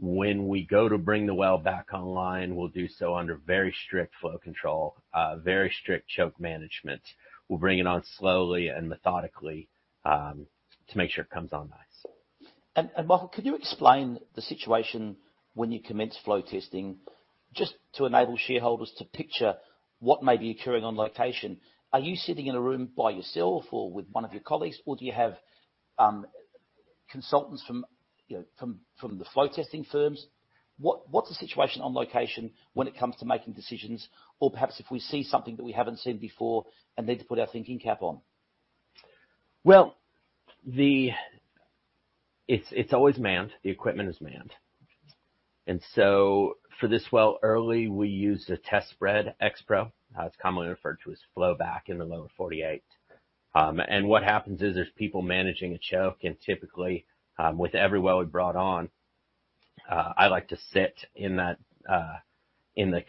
When we go to bring the well back online, we'll do so under very strict flow control, very strict choke management. We'll bring it on slowly and methodically, to make sure it comes on nice. Michael, could you explain the situation when you commence flow testing just to enable shareholders to picture what may be occurring on location? Are you sitting in a room by yourself or with one of your colleagues, or do you have consultants from, you know, the flow testing firms? What's the situation on location when it comes to making decisions or perhaps if we see something that we haven't seen before and need to put our thinking cap on? It's always manned. The equipment is manned. For this well, early, we use the test spread Expro. It's commonly referred to as flow back in the lower forty-eight. What happens is there's people managing a choke. Typically, with every well we brought on, I like to sit in that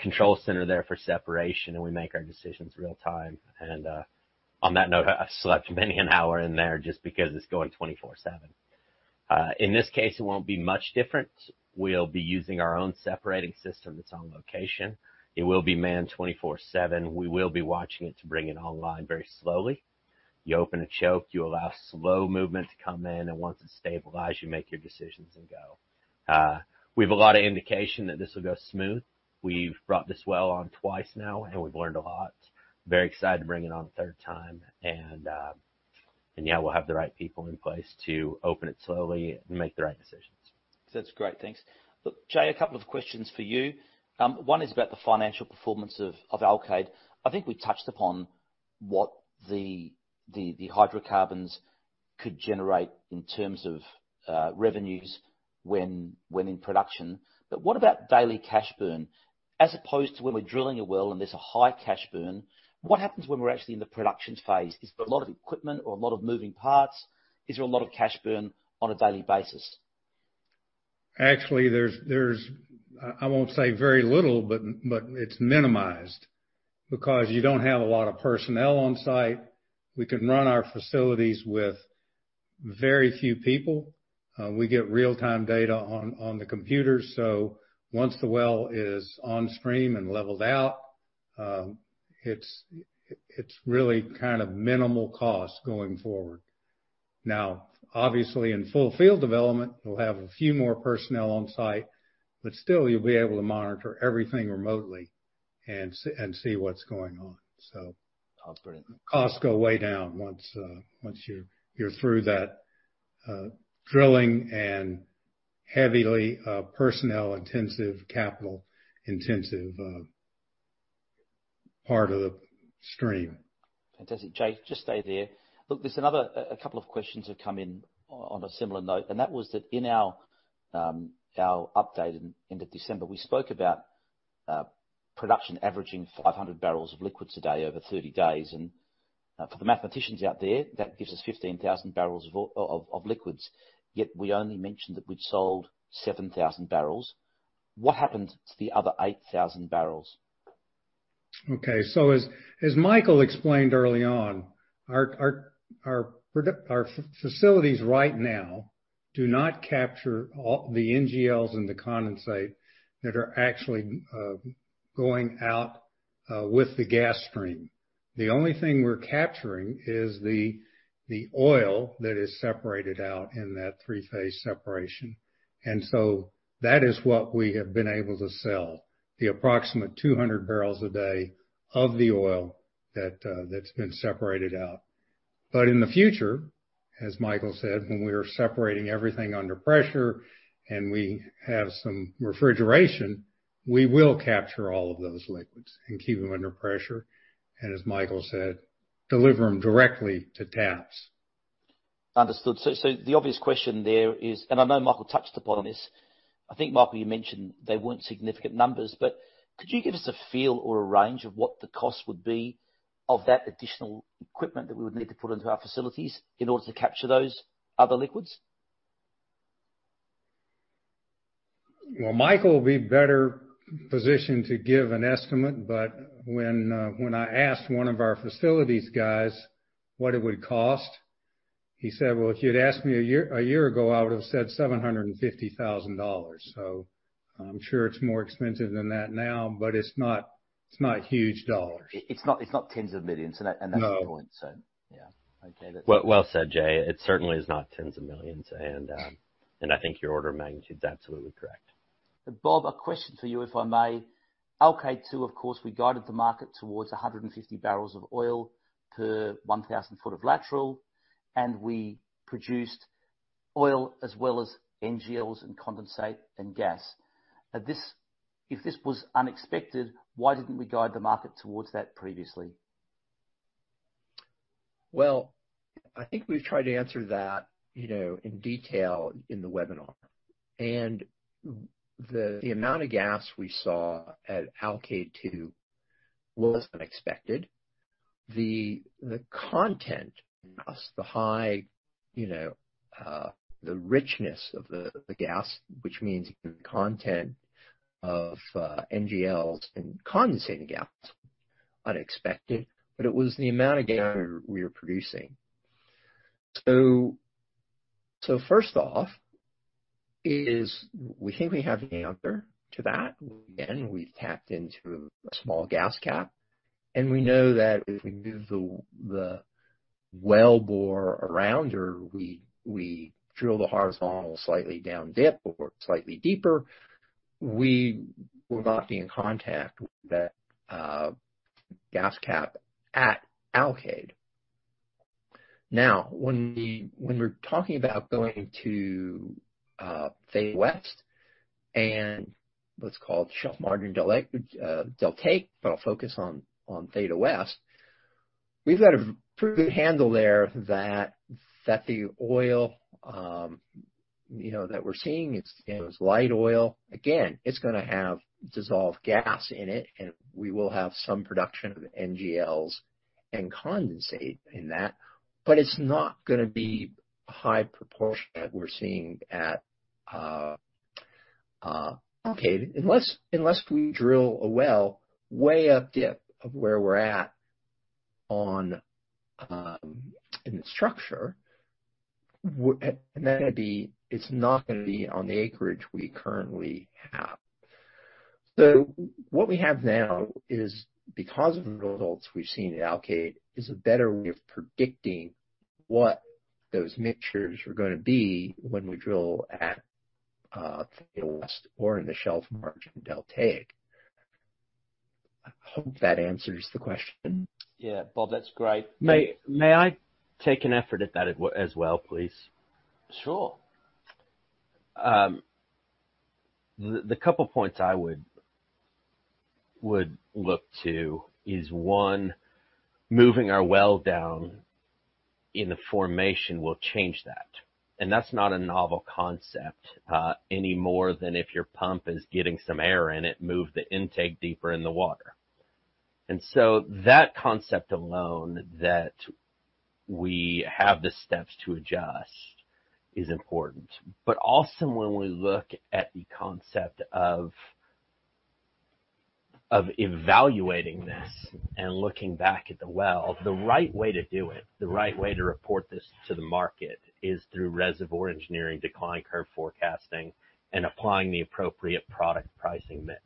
control center there for separation, and we make our decisions real time. On that note, I spent many an hour in there just because it's going 24/7. In this case, it won't be much different. We'll be using our own separating system that's on location. It will be manned 24/7. We will be watching it to bring it online very slowly. You open a choke, you allow slow movement to come in, and once it stabilizes, you make your decisions and go. We have a lot of indication that this will go smooth. We've brought this well on twice now, and we've learned a lot. Very excited to bring it on a third time. Yeah, we'll have the right people in place to open it slowly and make the right decisions. That's great. Thanks. Look, Jay, a couple of questions for you. One is about the financial performance of Alkaid. I think we touched upon what the hydrocarbons could generate in terms of revenues when in production. What about daily cash burn? As opposed to when we're drilling a well and there's a high cash burn, what happens when we're actually in the production phase? Is there a lot of equipment or a lot of moving parts? Is there a lot of cash burn on a daily basis? Actually, I won't say very little, but it's minimized because you don't have a lot of personnel on site. We can run our facilities with very few people. We get real-time data on the computer, so once the well is on stream and leveled out, it's really kind of minimal cost going forward. Now, obviously, in full field development, we'll have a few more personnel on site, but still you'll be able to monitor everything remotely and see what's going on. Operating. Costs go way down once you're through that drilling and heavily personnel-intensive, capital-intensive part of the stream. Fantastic. Jay, just stay there. Look, there's another. A couple of questions have come in on a similar note, and that was that in our update in end of December, we spoke about production averaging 500 barrels of liquids a day over 30 days. For the mathematicians out there, that gives us 15,000 barrels of liquids. Yet we only mentioned that we'd sold 7,000 barrels. What happened to the other 8,000 barrels? Okay, as Michael explained early on, our facilities right now do not capture all the NGLs and the condensate that are actually going out with the gas stream. The only thing we're capturing is the oil that is separated out in that three-phase separation. That is what we have been able to sell, the approximate 200 barrels a day of the oil that's been separated out. In the future, as Michael said, when we are separating everything under pressure and we have some refrigeration, we will capture all of those liquids and keep them under pressure, and as Michael said, deliver them directly to TAPS. Understood. The obvious question there is, and I know Michael touched upon this. I think, Michael, you mentioned they weren't significant numbers, but could you give us a feel or a range of what the cost would be of that additional equipment that we would need to put into our facilities in order to capture those other liquids? Well, Michael will be better positioned to give an estimate, but when I asked one of our facilities guys what it would cost, he said, "Well, if you'd asked me a year ago, I would've said $750,000." I'm sure it's more expensive than that now, but it's not huge dollars. It's not tens of millions. No. That's the point. Yeah. Okay. Well said, Jay. It certainly is not tens of millions. I think your order of magnitude is absolutely correct. Bob, a question for you, if I may. Alk id-2, of course, we guided the market towards 150 barrels of oil per 1,000 feet of lateral, and we produced oil as well as NGLs and condensate and gas. If this was unexpected, why didn't we guide the market towards that previously? Well, I think we've tried to answer that, you know, in detail in the webinar. The amount of gas we saw at Alkaid-2 was unexpected. The content, the high richness of the gas, which means the content of NGLs and condensate and gas, unexpected, but it was the amount of gas we were producing. First off, we think we have the answer to that. Again, we've tapped into a small gas cap, and we know that if we move the wellbore around or we drill the horizontal slightly down dip or slightly deeper, we will not be in contact with that gas cap at Alkaid. Now, when we're talking about going to Theta West and what's called Shelf Margin Deltaic, but I'll focus on Theta West. We've got a pretty good handle there that the oil, you know, that we're seeing it's, you know, is light oil. Again, it's gonna have dissolved gas in it, and we will have some production of NGLs and condensate in that, but it's not gonna be high proportion that we're seeing at Alkaid. Unless we drill a well way up dip of where we're at on in the structure and that'd be. It's not gonna be on the acreage we currently have. What we have now is, because of the results we've seen at Alkaid, is a better way of predicting what those mixtures are gonna be when we drill at Theta West or in the Shelf Margin Deltaic. I hope that answers the question. Yeah. Bob, that's great. May I take an effort at that as well, please? Sure. The couple points I would look to is one, moving our well down in the formation will change that. That's not a novel concept, any more than if your pump is getting some air in it, move the intake deeper in the water. That concept alone that we have the steps to adjust is important. Also when we look at the concept of evaluating this and looking back at the well, the right way to do it, the right way to report this to the market is through reservoir engineering, decline curve forecasting, and applying the appropriate product pricing mix.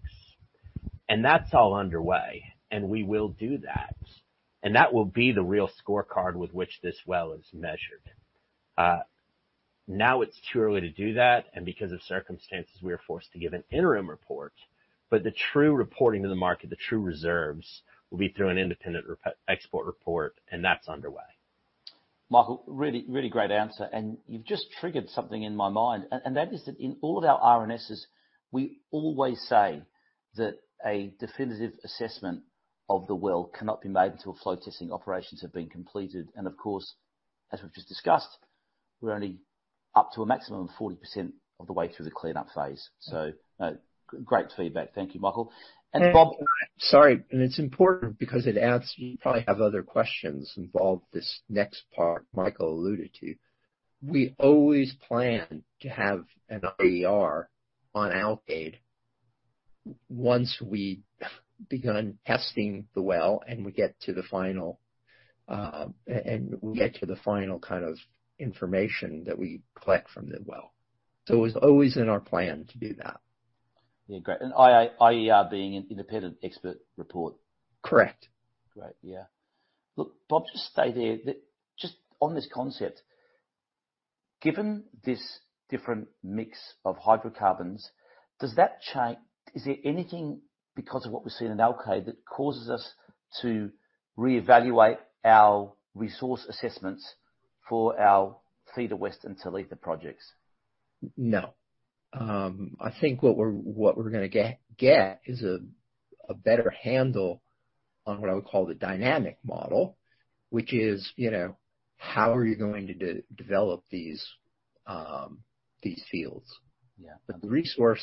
That's all underway, and we will do that. That will be the real scorecard with which this well is measured. Now it's too early to do that, and because of circumstances, we are forced to give an interim report. The true reporting to the market, the true reserves, will be through an independent expert report, and that's underway. Michael, really, really great answer. You've just triggered something in my mind, and that is that in all of our RNSs, we always say that a definitive assessment of the well cannot be made until flow testing operations have been completed. Of course, as we've just discussed, we're only up to a maximum of 40% of the way through the cleanup phase. Great feedback. Thank you, Michael. Bob- Sorry, it's important because it adds. You probably have other questions involved in this next part Michael alluded to. We always plan to have an IER on Alkaid once we've begun testing the well, and we get to the final kind of information that we collect from the well. It was always in our plan to do that. Yeah. Great. IER being an independent expert report. Correct. Great. Yeah. Look, Bob, just stay there. Just on this concept, given this different mix of hydrocarbons, is there anything because of what we're seeing in Alkaid that causes us to reevaluate our resource assessments for our Theta West and Talitha projects? No. I think what we're gonna get is a better handle on what I would call the dynamic model, which is, you know, how are you going to de-develop these fields? Yeah. The resource,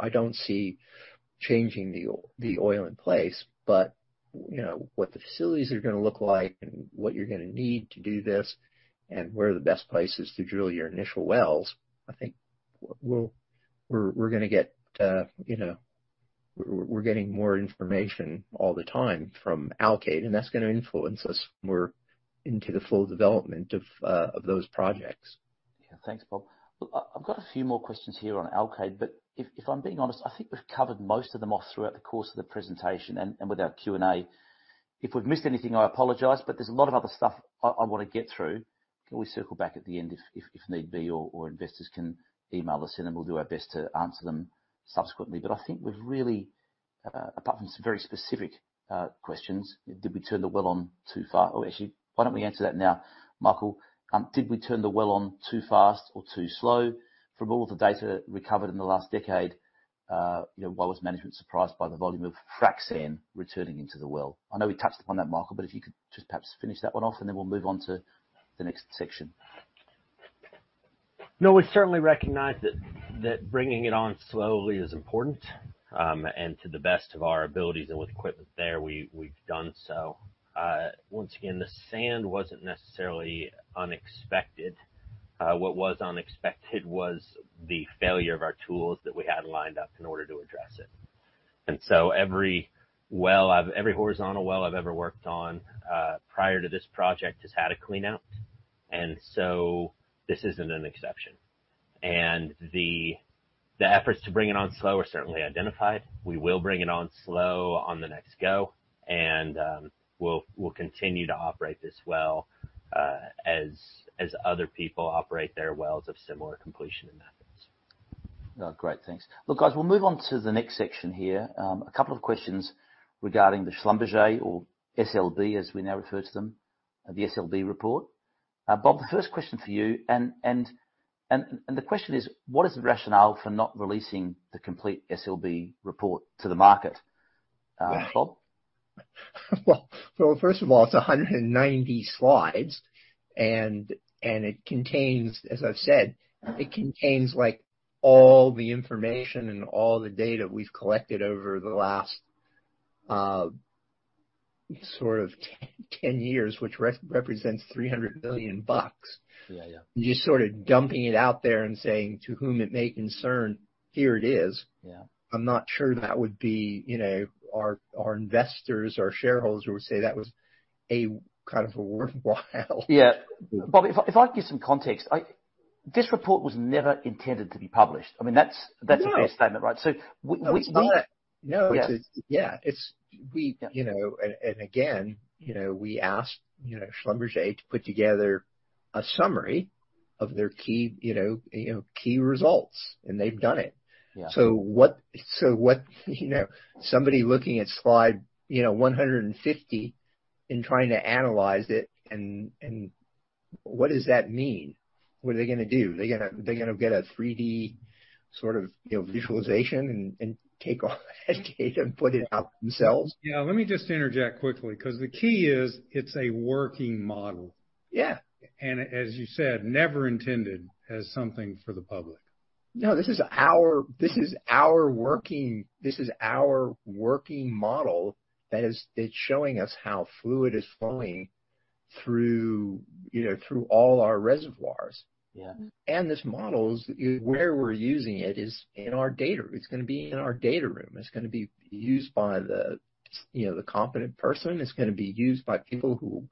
I don't see changing the oil in place. You know, what the facilities are gonna look like and what you're gonna need to do this and where are the best places to drill your initial wells, I think we're gonna get, you know, we're getting more information all the time from Alkaid, and that's gonna influence us more into the full development of those projects. Yeah. Thanks, Bob. Look, I've got a few more questions here on Alkaid, but if I'm being honest, I think we've covered most of them off throughout the course of the presentation and with our Q&A. If we've missed anything, I apologize, but there's a lot of other stuff I wanna get through. Can we circle back at the end if need be, or investors can email us in, and we'll do our best to answer them subsequently. But I think we've really, apart from some very specific questions, did we turn the well on too far? Or actually, why don't we answer that now, Michael. Did we turn the well on too fast or too slow? From all of the data recovered in the last decade, why was management surprised by the volume of frac sand returning into the well? I know we touched upon that, Michael, but if you could just perhaps finish that one off, and then we'll move on to the next section. No, we certainly recognize that bringing it on slowly is important, and to the best of our abilities and with equipment there, we've done so. Once again, the sand wasn't necessarily unexpected. What was unexpected was the failure of our tools that we had lined up in order to address it. Every horizontal well I've ever worked on prior to this project has had a cleanout. This isn't an exception. The efforts to bring it on slow are certainly identified. We will bring it on slow on the next go, and we'll continue to operate this well, as other people operate their wells of similar completion and methods. Oh, great. Thanks. Look, guys, we'll move on to the next section here. A couple of questions regarding the Schlumberger or SLB, as we now refer to them, the SLB report. Bob, the first question for you, and the question is: What is the rationale for not releasing the complete SLB report to the market? Yeah. Bob? Well, first of all, it's 190 slides, and it contains, as I've said, it contains like all the information and all the data we've collected over the last, sort of ten years, which represents $300 million. Yeah, yeah. Just sort of dumping it out there and saying, "To whom it may concern, here it is. Yeah. I'm not sure that would be, you know, our investors, our shareholders would say that was a kind of worthwhile. Yeah. Bob, if I can give some context. This report was never intended to be published. I mean, that's- No. That's a fair statement, right? No, it's not. Yeah. No, it's. Yeah, it's. We, you know, and again, you know, we asked, you know, Schlumberger to put together a summary of their key, you know, key results, and they've done it. Yeah. What, you know, somebody looking at slide, you know, 150 and trying to analyze it and what does that mean? What are they gonna do? They're gonna get a 3D sort of, you know, visualization and take all that data and put it out themselves? Yeah. Let me just interject quickly, 'cause the key is it's a working model. Yeah. As you said, never intended as something for the public. No, this is our working model that is, it's showing us how fluid is flowing through, you know, through all our reservoirs. Yeah. This model is where we're using it is in our data. It's gonna be in our data room. It's gonna be used by the, you know, the competent person. It's gonna be used by people who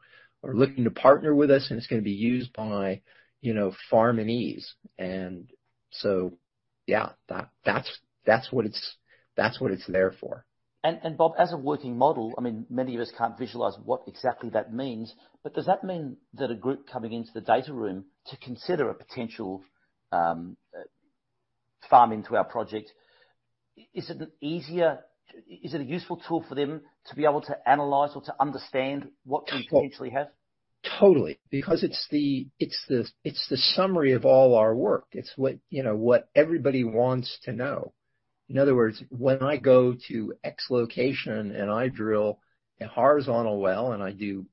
are looking to partner with us, and it's gonna be used by, you know, farminees. Yeah, that's what it's there for. Bob, as a working model, I mean, many of us can't visualize what exactly that means, but does that mean that a group coming into the data room to consider a potential farm-in into our project? Is it a useful tool for them to be able to analyze or to understand what we potentially have? Totally. Because it's the summary of all our work. It's what, you know, what everybody wants to know. In other words, when I go to X location and I drill a horizontal well, and I do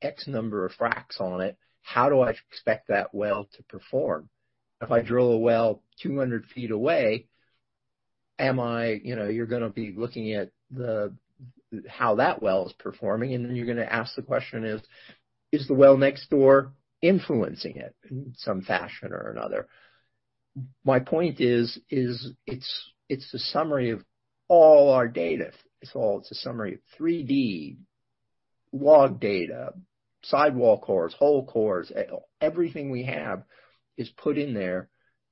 X number of fracs on it, how do I expect that well to perform? If I drill a well 200 feet away, you know, you're gonna be looking at how that well is performing, and then you're gonna ask the question, is the well next door influencing it in some fashion or another? My point is, it's the summary of all our data. It's all. It's a summary of 3-D log data, sidewall cores, whole cores. Everything we have is put in there,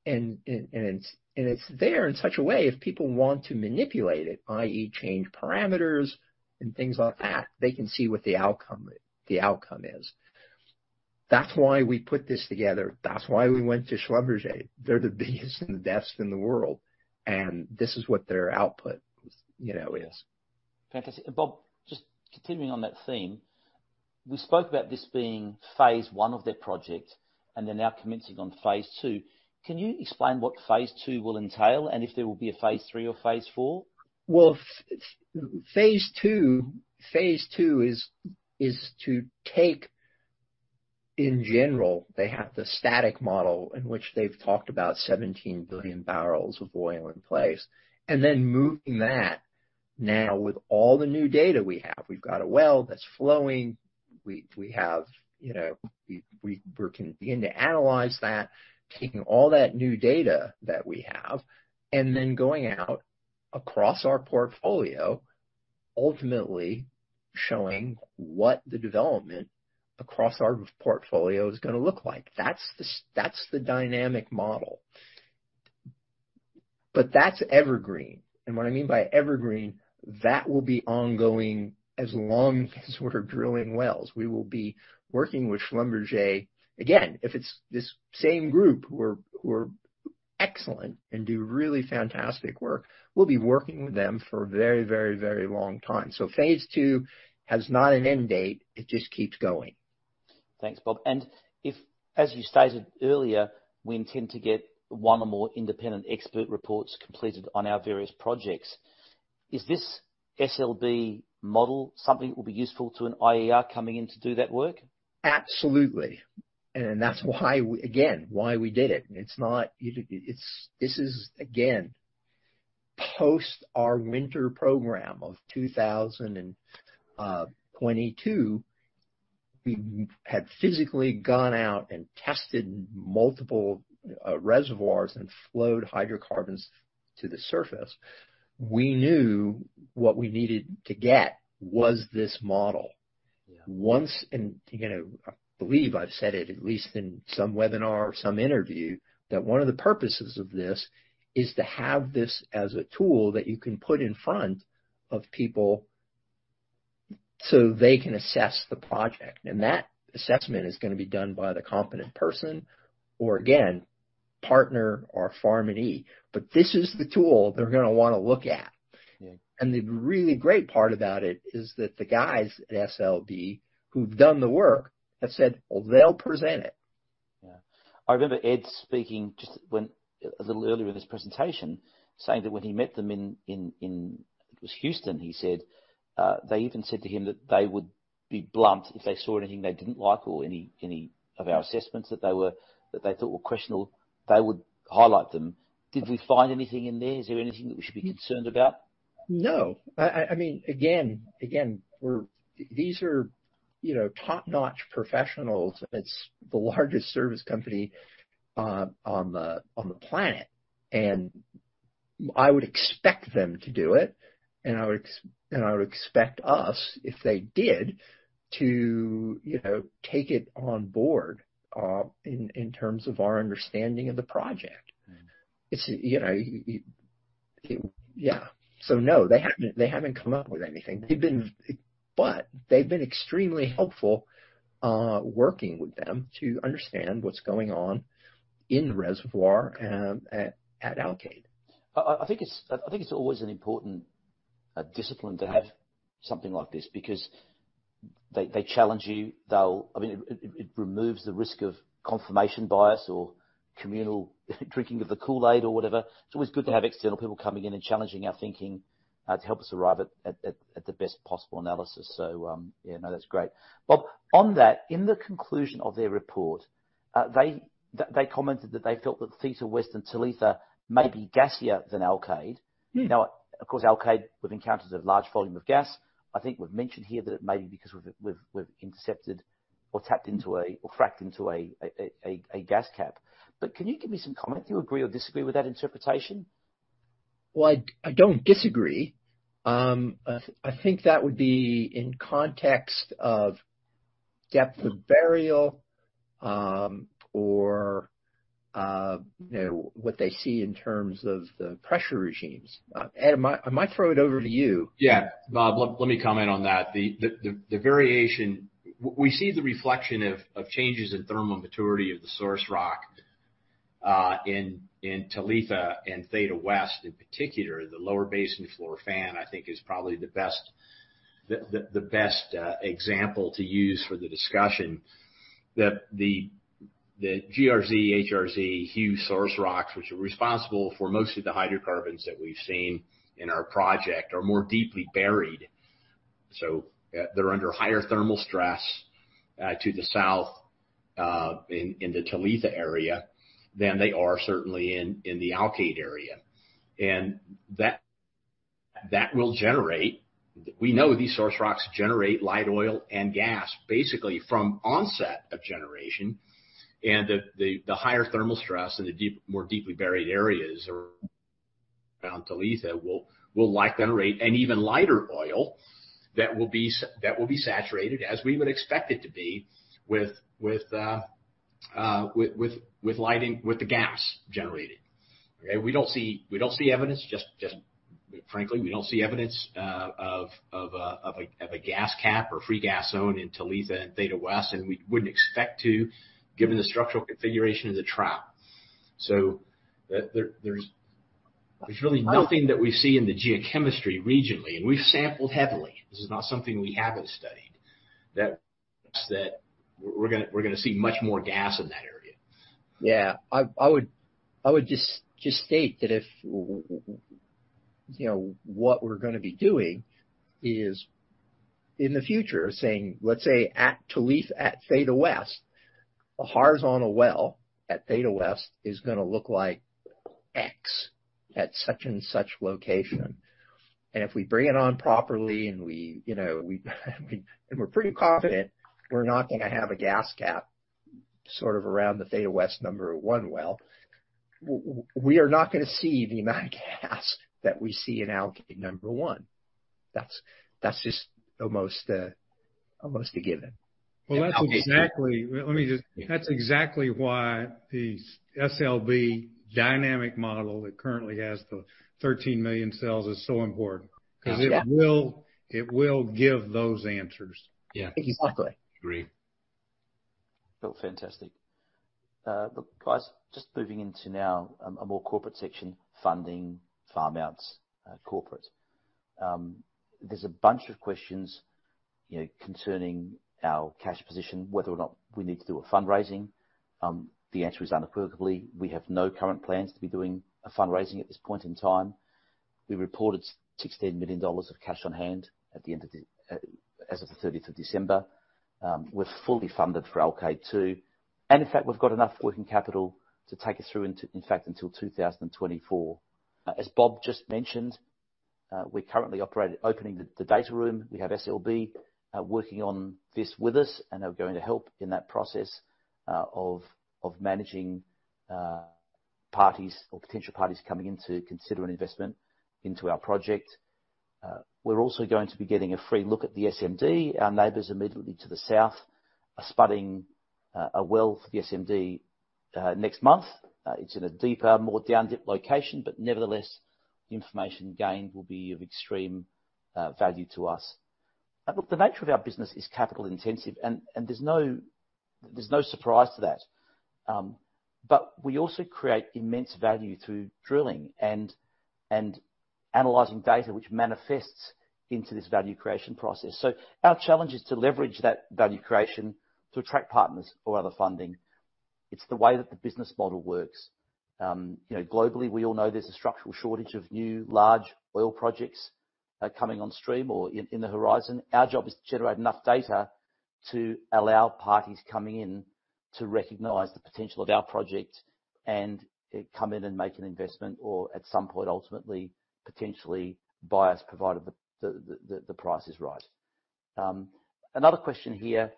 and it's there in such a way if people want to manipulate it, i.e. Change parameters and things like that, they can see what the outcome is. That's why we put this together. That's why we went to Schlumberger. They're the biggest and the best in the world, and this is what their output, you know, is. Fantastic. Bob, just continuing on that theme, we spoke about this being phase I of their project, and they're now commencing on phase II. Can you explain what phase II will entail, and if there will be a phase III or phase IV? Well, phase II is to take, in general, they have the static model in which they've talked about 17 billion barrels of oil in place, and then moving that now with all the new data we have. We've got a well that's flowing. We have, you know, we're beginning to analyze that, taking all that new data that we have, and then going out across our portfolio, ultimately showing what the development across our portfolio is gonna look like. That's the dynamic model. That's Evergreen. What I mean by Evergreen, that will be ongoing as long as we're drilling wells. We will be working with Schlumberger. Again, if it's this same group who are excellent and do really fantastic work, we'll be working with them for a very long time. Phase II has no end date. It just keeps going. Thanks, Bob. If, as you stated earlier, we intend to get one or more independent expert reports completed on our various projects, is this SLB model something that will be useful to an IER coming in to do that work? Absolutely. That's why again, why we did it. This is, again, post our winter program of 2022. We had physically gone out and tested multiple reservoirs and flowed hydrocarbons to the surface. We knew what we needed to get was this model. Yeah. You know, I believe I've said it at least in some webinar or some interview, that one of the purposes of this is to have this as a tool that you can put in front of people so they can assess the project. That assessment is gonna be done by the competent person or, again, partner or farminee. This is the tool they're gonna wanna look at. Yeah. The really great part about it is that the guys at SLB who've done the work have said they'll present it. Yeah. I remember Ed speaking just when, a little earlier in his presentation, saying that when he met them in, I think it was Houston, he said, they even said to him that they would be blunt if they saw anything they didn't like or any of our assessments that they thought were questionable, they would highlight them. Did we find anything in there? Is there anything that we should be concerned about? No, I mean, again, these are, you know, top-notch professionals. It's the largest service company on the planet, and I would expect them to do it, and I would expect us, if they did, to, you know, take it on board in terms of our understanding of the project. Right. It's, you know, yeah. No, they haven't come up with anything. They've been extremely helpful, working with them to understand what's going on in the reservoir, at Alkaid. I think it's always an important discipline to have something like this because they challenge you. I mean, it removes the risk of confirmation bias or communal drinking of the Kool-Aid or whatever. It's always good to have external people coming in and challenging our thinking to help us arrive at the best possible analysis. Yeah, no, that's great. Bob, on that, in the conclusion of their report, they commented that they felt that Theta West and Talitha may be gassier than Alkaid. Mm. Now, of course, Alkaid, we've encountered a large volume of gas. I think we've mentioned here that it may be because we've intercepted or tapped into, or fracked into, a gas cap. But can you give me some comment? Do you agree or disagree with that interpretation? Well, I don't disagree. I think that would be in context of depth of burial, or, you know, what they see in terms of the pressure regimes. Ed, I might throw it over to you. Yeah. Bob, let me comment on that. The variation we see the reflection of changes in thermal maturity of the source rock in Talitha and Theta West in particular. The lower basin-floor fan, I think, is probably the best example to use for the discussion that the GRZ, HRZ huge source rocks, which are responsible for most of the hydrocarbons that we've seen in our project are more deeply buried. So, they're under higher thermal stress to the south in the Talitha area than they are certainly in the Alkaid area. That will generate. We know these source rocks generate light oil and gas basically from onset of generation. The higher thermal stress in the more deeply buried areas around Talitha will likely generate an even lighter oil that will be saturated as we would expect it to be with the gas generated. Okay. We don't see evidence, frankly, of a gas cap or free gas zone in Talitha and Theta West, and we wouldn't expect to, given the structural configuration of the trap. There's really nothing that we see in the geochemistry regionally, and we've sampled heavily. This is not something we haven't studied that we're gonna see much more gas in that area. Yeah. I would just state that if you know what we're gonna be doing is in the future saying let's say at Talitha, at Theta West, a horizontal well at Theta West is gonna look like X at such and such location. If we bring it on properly and we, you know, we. We're pretty confident we're not gonna have a gas cap sort of around the Theta West number one well, we are not gonna see the amount of gas that we see in Alkaid-1. That's just almost a given. That's exactly why the SLB dynamic model that currently has the 13 million cells is so important. Yeah. 'Cause it will give those answers. Yeah. Exactly. Agreed. Well, fantastic. Look, guys, just moving into now a more corporate section, funding, farm-outs, corporate. There's a bunch of questions, you know, concerning our cash position, whether or not we need to do a fundraising. The answer is unequivocally we have no current plans to be doing a fundraising at this point in time. We reported $16 million of cash on hand as of the 30th of December. We're fully funded for Alkaid-2, and in fact, we've got enough working capital to take us through until, in fact, 2024. As Bob just mentioned, we're currently opening the data room. We have SLB working on this with us, and they're going to help in that process of managing parties or potential parties coming in to consider an investment into our project. We're also going to be getting a free look at the SMD. Our neighbors immediately to the south are spudding a well for the SMD next month. Look, the nature of our business is capital intensive, and there's no surprise to that. We also create immense value through drilling and analyzing data which manifests into this value creation process. Our challenge is to leverage that value creation to attract partners or other funding. It's the way that the business model works. You know, globally, we all know there's a structural shortage of new large oil projects coming on stream or in the horizon. Our job is to generate enough data to allow parties coming in to recognize the potential of our project and come in and make an investment or at some point, ultimately, potentially buy us, provided the price is right. Another question here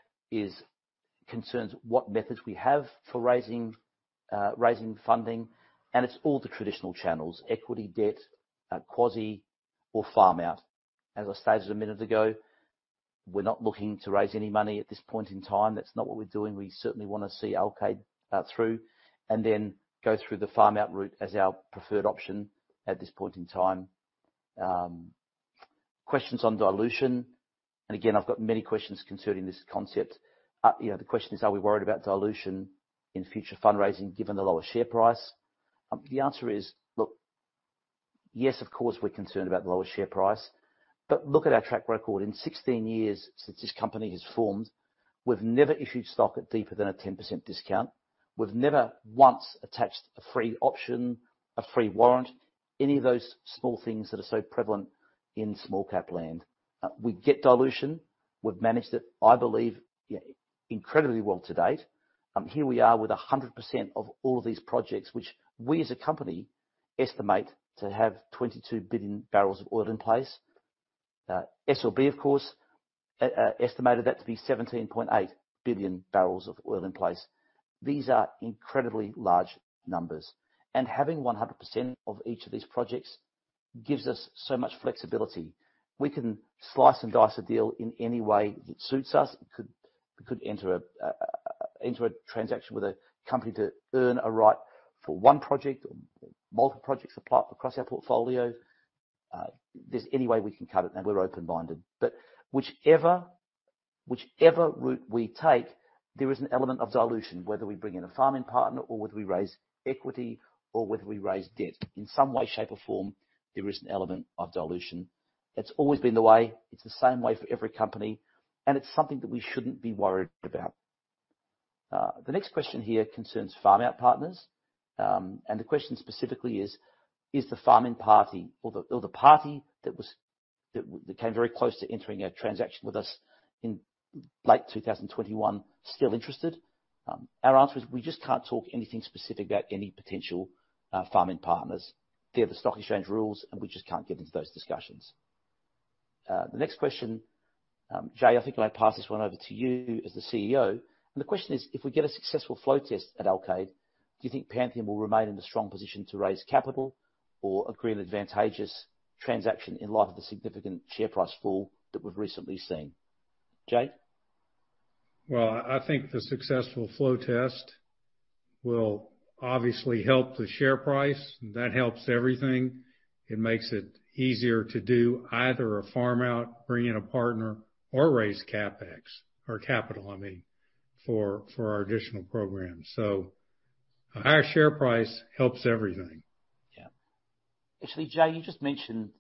concerns what methods we have for raising funding, and it's all the traditional channels, equity, debt, quasi or farm-out. As I stated a minute ago, we're not looking to raise any money at this point in time. That's not what we're doing. We certainly wanna see Alkaid through, and then go through the farm-out route as our preferred option at this point in time. Questions on dilution. I've got many questions concerning this concept. You know, the question is, are we worried about dilution in future fundraising given the lower share price? The answer is, look, yes, of course, we're concerned about the lower share price. Look at our track record. In 16 years since this company has formed, we've never issued stock at deeper than a 10% discount. We've never once attached a free option, a free warrant, any of those small things that are so prevalent in small cap land. We get dilution, we've managed it, I believe, incredibly well to date. Here we are with 100% of all of these projects, which we as a company estimate to have 22 billion barrels of oil in place. SLB, of course, estimated that to be 17.8 billion barrels of oil in place. These are incredibly large numbers, and having 100% of each of these projects gives us so much flexibility. We can slice and dice a deal in any way that suits us. We could enter a transaction with a company to earn a right for one project or multiple projects apply across our portfolio. There's any way we can cut it, and we're open-minded. Whichever route we take, there is an element of dilution, whether we bring in a farming partner or whether we raise equity or whether we raise debt. In some way, shape, or form, there is an element of dilution. It's always been the way, it's the same way for every company, and it's something that we shouldn't be worried about. The next question here concerns farm-out partners. The question specifically is the farming party or the party that came very close to entering a transaction with us in late 2021, still interested? Our answer is we just can't talk anything specific about any potential farming partners. They have the stock exchange rules, and we just can't get into those discussions. The next question, Jay, I think I'm gonna pass this one over to you as the CEO. The question is, if we get a successful flow test at Alkaid, do you think Pantheon will remain in a strong position to raise capital or agree on advantageous transaction in light of the significant share price fall that we've recently seen? Jay? Well, I think the successful flow test will obviously help the share price. That helps everything. It makes it easier to do either a farm out, bring in a partner or raise CapEx or capital, I mean, for our additional programs. A higher share price helps everything. Yeah. Actually, Jay, you just mentioned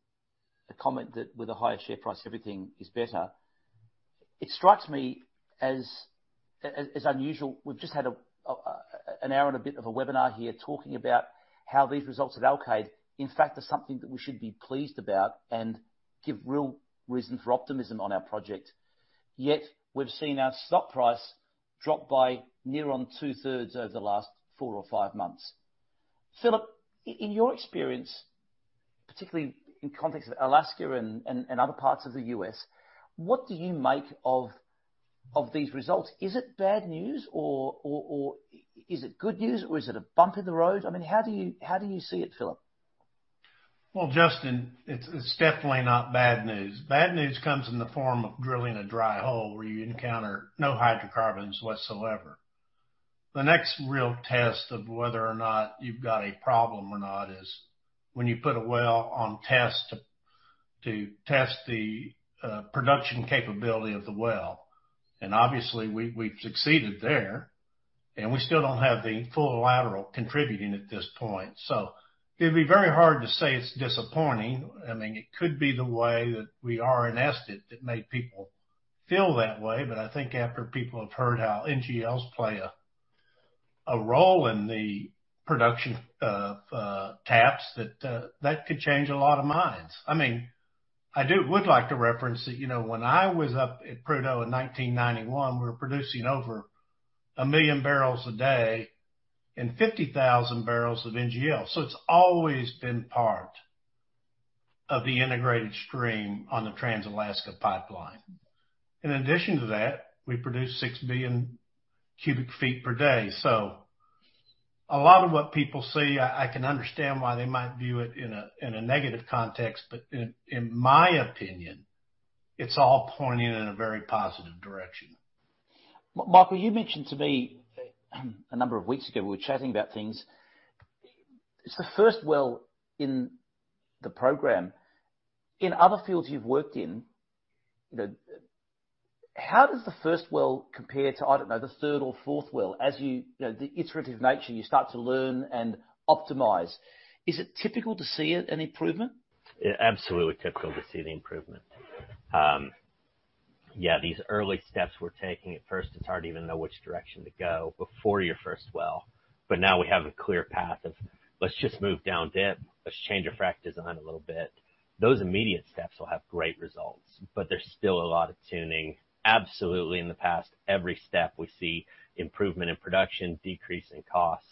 a comment that with a higher share price, everything is better. It strikes me as unusual. We've just had an hour and a bit of a webinar here talking about how these results at Alkaid, in fact, are something that we should be pleased about and give real reason for optimism on our project. Yet we've seen our stock price drop by near on two-thirds over the last 4 or 5 months. Phillip, in your experience, particularly in context of Alaska and other parts of the U.S., what do you make of these results? Is it bad news or is it good news or is it a bump in the road? I mean, how do you see it, Phillip? Well, Justin, it's definitely not bad news. Bad news comes in the form of drilling a dry hole where you encounter no hydrocarbons whatsoever. The next real test of whether or not you've got a problem or not is when you put a well on test to test the production capability of the well. Obviously we've succeeded there, and we still don't have the full lateral contributing at this point. It'd be very hard to say it's disappointing. I mean, it could be the way that we are RNS'd that made people feel that way. I think after people have heard how NGLs play a role in the production of TAPS, that could change a lot of minds. I mean, I would like to reference it. You know, when I was up at Prudhoe in 1991, we were producing over 1 million barrels a day and 50,000 barrels of NGL. It's always been part of the integrated stream on the Trans-Alaska Pipeline. In addition to that, we produce 6 billion cubic feet per day. A lot of what people see, I can understand why they might view it in a negative context, but in my opinion, it's all pointing in a very positive direction. Michael, you mentioned to me a number of weeks ago, we were chatting about things. It's the first well in the program. In other fields you've worked in, you know, how does the first well compare to, I don't know, the third or fourth well as you know, the iterative nature, you start to learn and optimize. Is it typical to see an improvement? Yeah, absolutely typical to see the improvement. Yeah, these early steps we're taking at first, it's hard to even know which direction to go before your first well. Now we have a clear path of, let's just move down deep. Let's change our frac design a little bit. Those immediate steps will have great results, but there's still a lot of tuning. Absolutely, in the past, every step we see improvement in production, decrease in cost.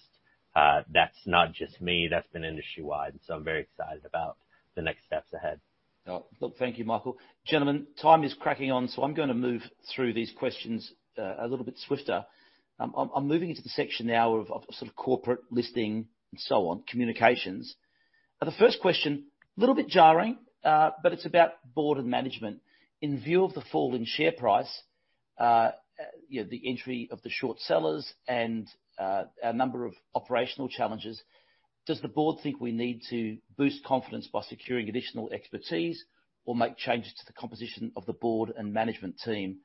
That's not just me, that's been industry-wide. I'm very excited about the next steps ahead. Oh. Look, thank you, Michael. Gentlemen, time is cracking on, so I'm gonna move through these questions a little bit swifter. I'm moving into the section now of sort of corporate listing and so on, communications. The first question, a little bit jarring, but it's about board and management. In view of the fall in share price, you know, the entry of the short sellers and a number of operational challenges, does the board think we need to boost confidence by securing additional expertise or make changes to the composition of the board and management team?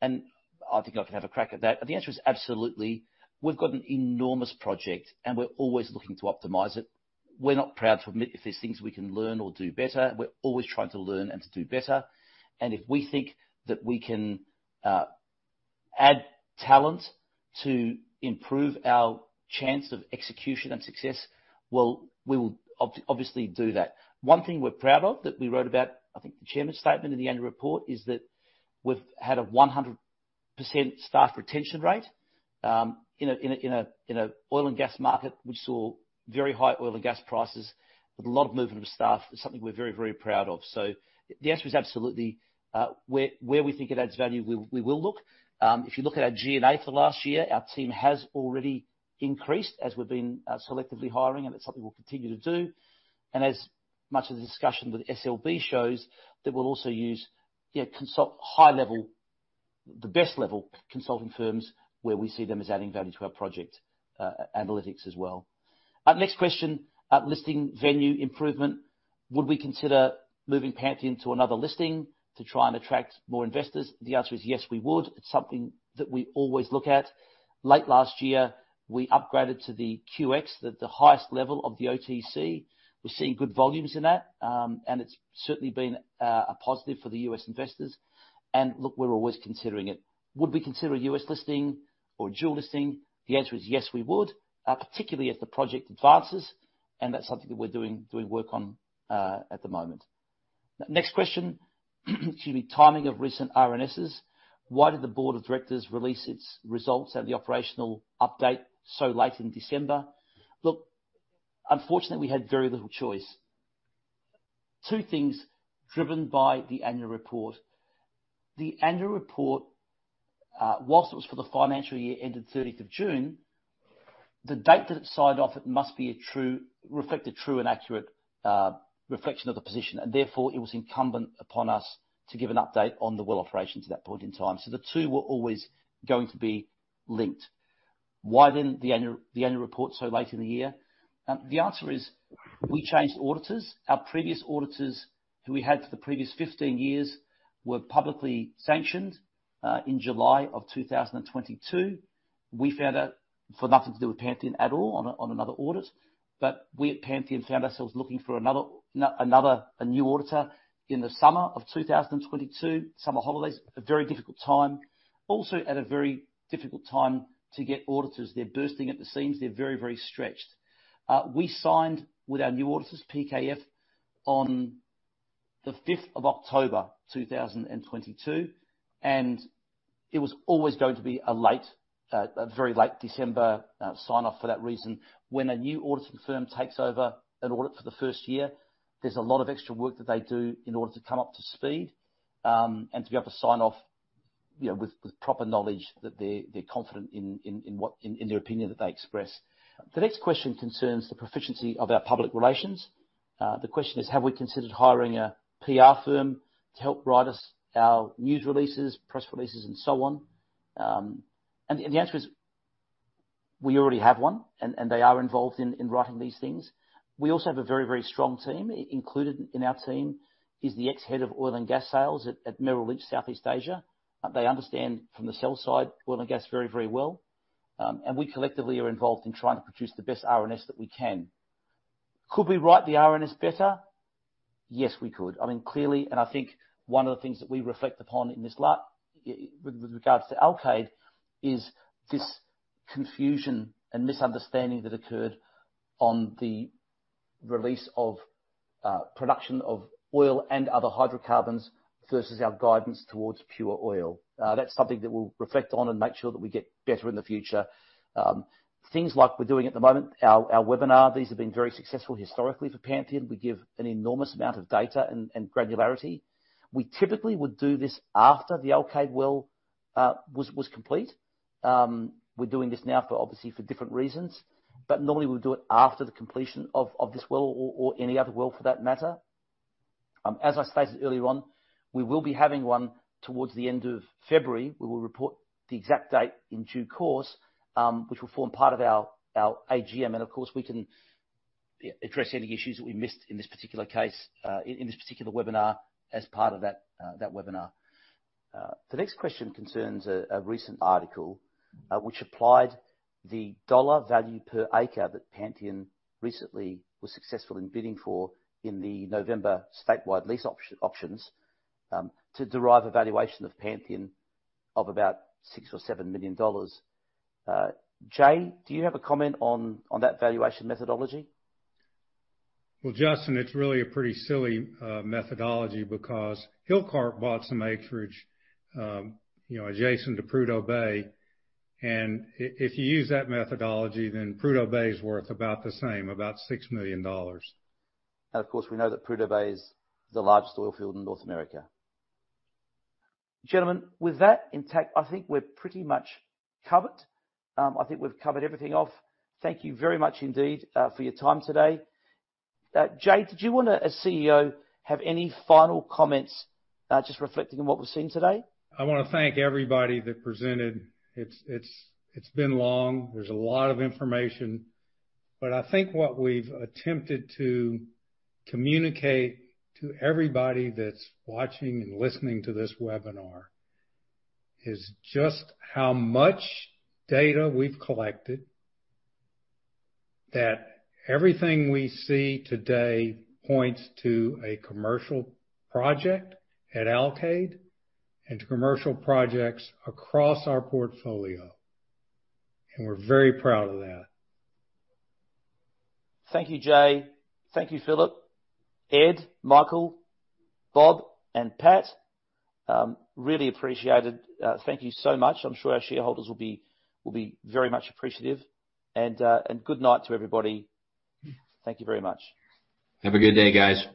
I think I can have a crack at that. The answer is absolutely. We've got an enormous project, and we're always looking to optimize it. We're not proud to admit if there's things we can learn or do better. We're always trying to learn and to do better. If we think that we can add talent to improve our chance of execution and success, we will obviously do that. One thing we're proud of that we wrote about, I think the chairman's statement in the annual report, is that we've had a 100% staff retention rate in an oil and gas market. We saw very high oil and gas prices with a lot of movement of staff. It's something we're very, very proud of. The answer is absolutely where we think it adds value, we will look. If you look at our G&A for last year, our team has already increased as we've been selectively hiring, and that's something we'll continue to do. As much of the discussion with SLB shows that we'll also use, you know, consult high-level, the best level consulting firms where we see them as adding value to our project, analytics as well. Next question. At listing venue improvement, would we consider moving Pantheon to another listing to try and attract more investors? The answer is yes, we would. It's something that we always look at. Late last year, we upgraded to the OTCQX, the highest level of the OTC. We're seeing good volumes in that, and it's certainly been a positive for the U.S. investors. Look, we're always considering it. Would we consider a U.S. listing or a dual listing? The answer is yes, we would. Particularly if the project advances, and that's something that we're doing work on at the moment. Next question. Excuse me. Timing of recent RNSs. Why did the board of directors release its results and the operational update so late in December? Look, unfortunately, we had very little choice. Two things driven by the annual report. The annual report, while it was for the financial year ending 30th of June, the date that it signed off, it must be a true and accurate reflection of the position, and therefore it was incumbent upon us to give an update on the well operations at that point in time. The two were always going to be linked. Why then the annual report so late in the year? The answer is we changed auditors. Our previous auditors, who we had for the previous 15 years, were publicly sanctioned in July of 2022. We found out it had nothing to do with Pantheon at all on another audit. We at Pantheon found ourselves looking for a new auditor in the summer of 2022. Summer holidays, a very difficult time to get auditors. They're bursting at the seams, they're very stretched. We signed with our new auditors, PKF, on the fifth of October 2022, and it was always going to be a very late December sign-off for that reason. When a new auditing firm takes over an audit for the first year, there's a lot of extra work that they do in order to come up to speed, and to be able to sign off, you know, with proper knowledge that they're confident in their opinion, that they express. The next question concerns the proficiency of our public relations. The question is, have we considered hiring a PR firm to help write us our news releases, press releases and so on? The answer is, we already have one, and they are involved in writing these things. We also have a very strong team. Included in our team is the ex-head of oil and gas sales at Merrill Lynch, Southeast Asia. They understand from the sales side, oil and gas very well. We collectively are involved in trying to produce the best RNS that we can. Could we write the RNS better? Yes, we could. I mean, clearly, and I think one of the things that we reflect upon with regards to Alkaid is this confusion and misunderstanding that occurred on the release of production of oil and other hydrocarbons versus our guidance towards pure oil. That's something that we'll reflect on and make sure that we get better in the future. Things like we're doing at the moment, our webinar, these have been very successful historically for Pantheon. We give an enormous amount of data and granularity. We typically would do this after the Alkaid well was complete. We're doing this now for obviously for different reasons, but normally we'll do it after the completion of this well or any other well for that matter. As I stated earlier on, we will be having one towards the end of February. We will report the exact date in due course, which will form part of our AGM, and of course, we can address any issues that we missed in this particular case, in this particular webinar as part of that webinar. The next question concerns a recent article, which applied the dollar value per acre that Pantheon recently was successful in bidding for in the November statewide lease options, to derive a valuation of Pantheon of about $6 million or $7 million. Jay, do you have a comment on that valuation methodology? Well, Justin, it's really a pretty silly methodology because Hilcorp bought some acreage, you know, adjacent to Prudhoe Bay, and if you use that methodology, then Prudhoe Bay is worth about the same, about $6 million. Of course, we know that Prudhoe Bay is the largest oil field in North America. Gentlemen, with that intact, I think we're pretty much covered. I think we've covered everything off. Thank you very much indeed for your time today. Jay, did you wanna, as CEO, have any final comments just reflecting on what we've seen today? I wanna thank everybody that presented. It's been long. There's a lot of information. I think what we've attempted to communicate to everybody that's watching and listening to this webinar is just how much data we've collected, that everything we see today points to a commercial project at Alkaid and to commercial projects across our portfolio. We're very proud of that. Thank you, Jay. Thank you, Phillip, Ed, Michael, Bob, and Pat. Really appreciated. Thank you so much. I'm sure our shareholders will be very much appreciative. Good night to everybody. Thank you very much. Have a good day, guys.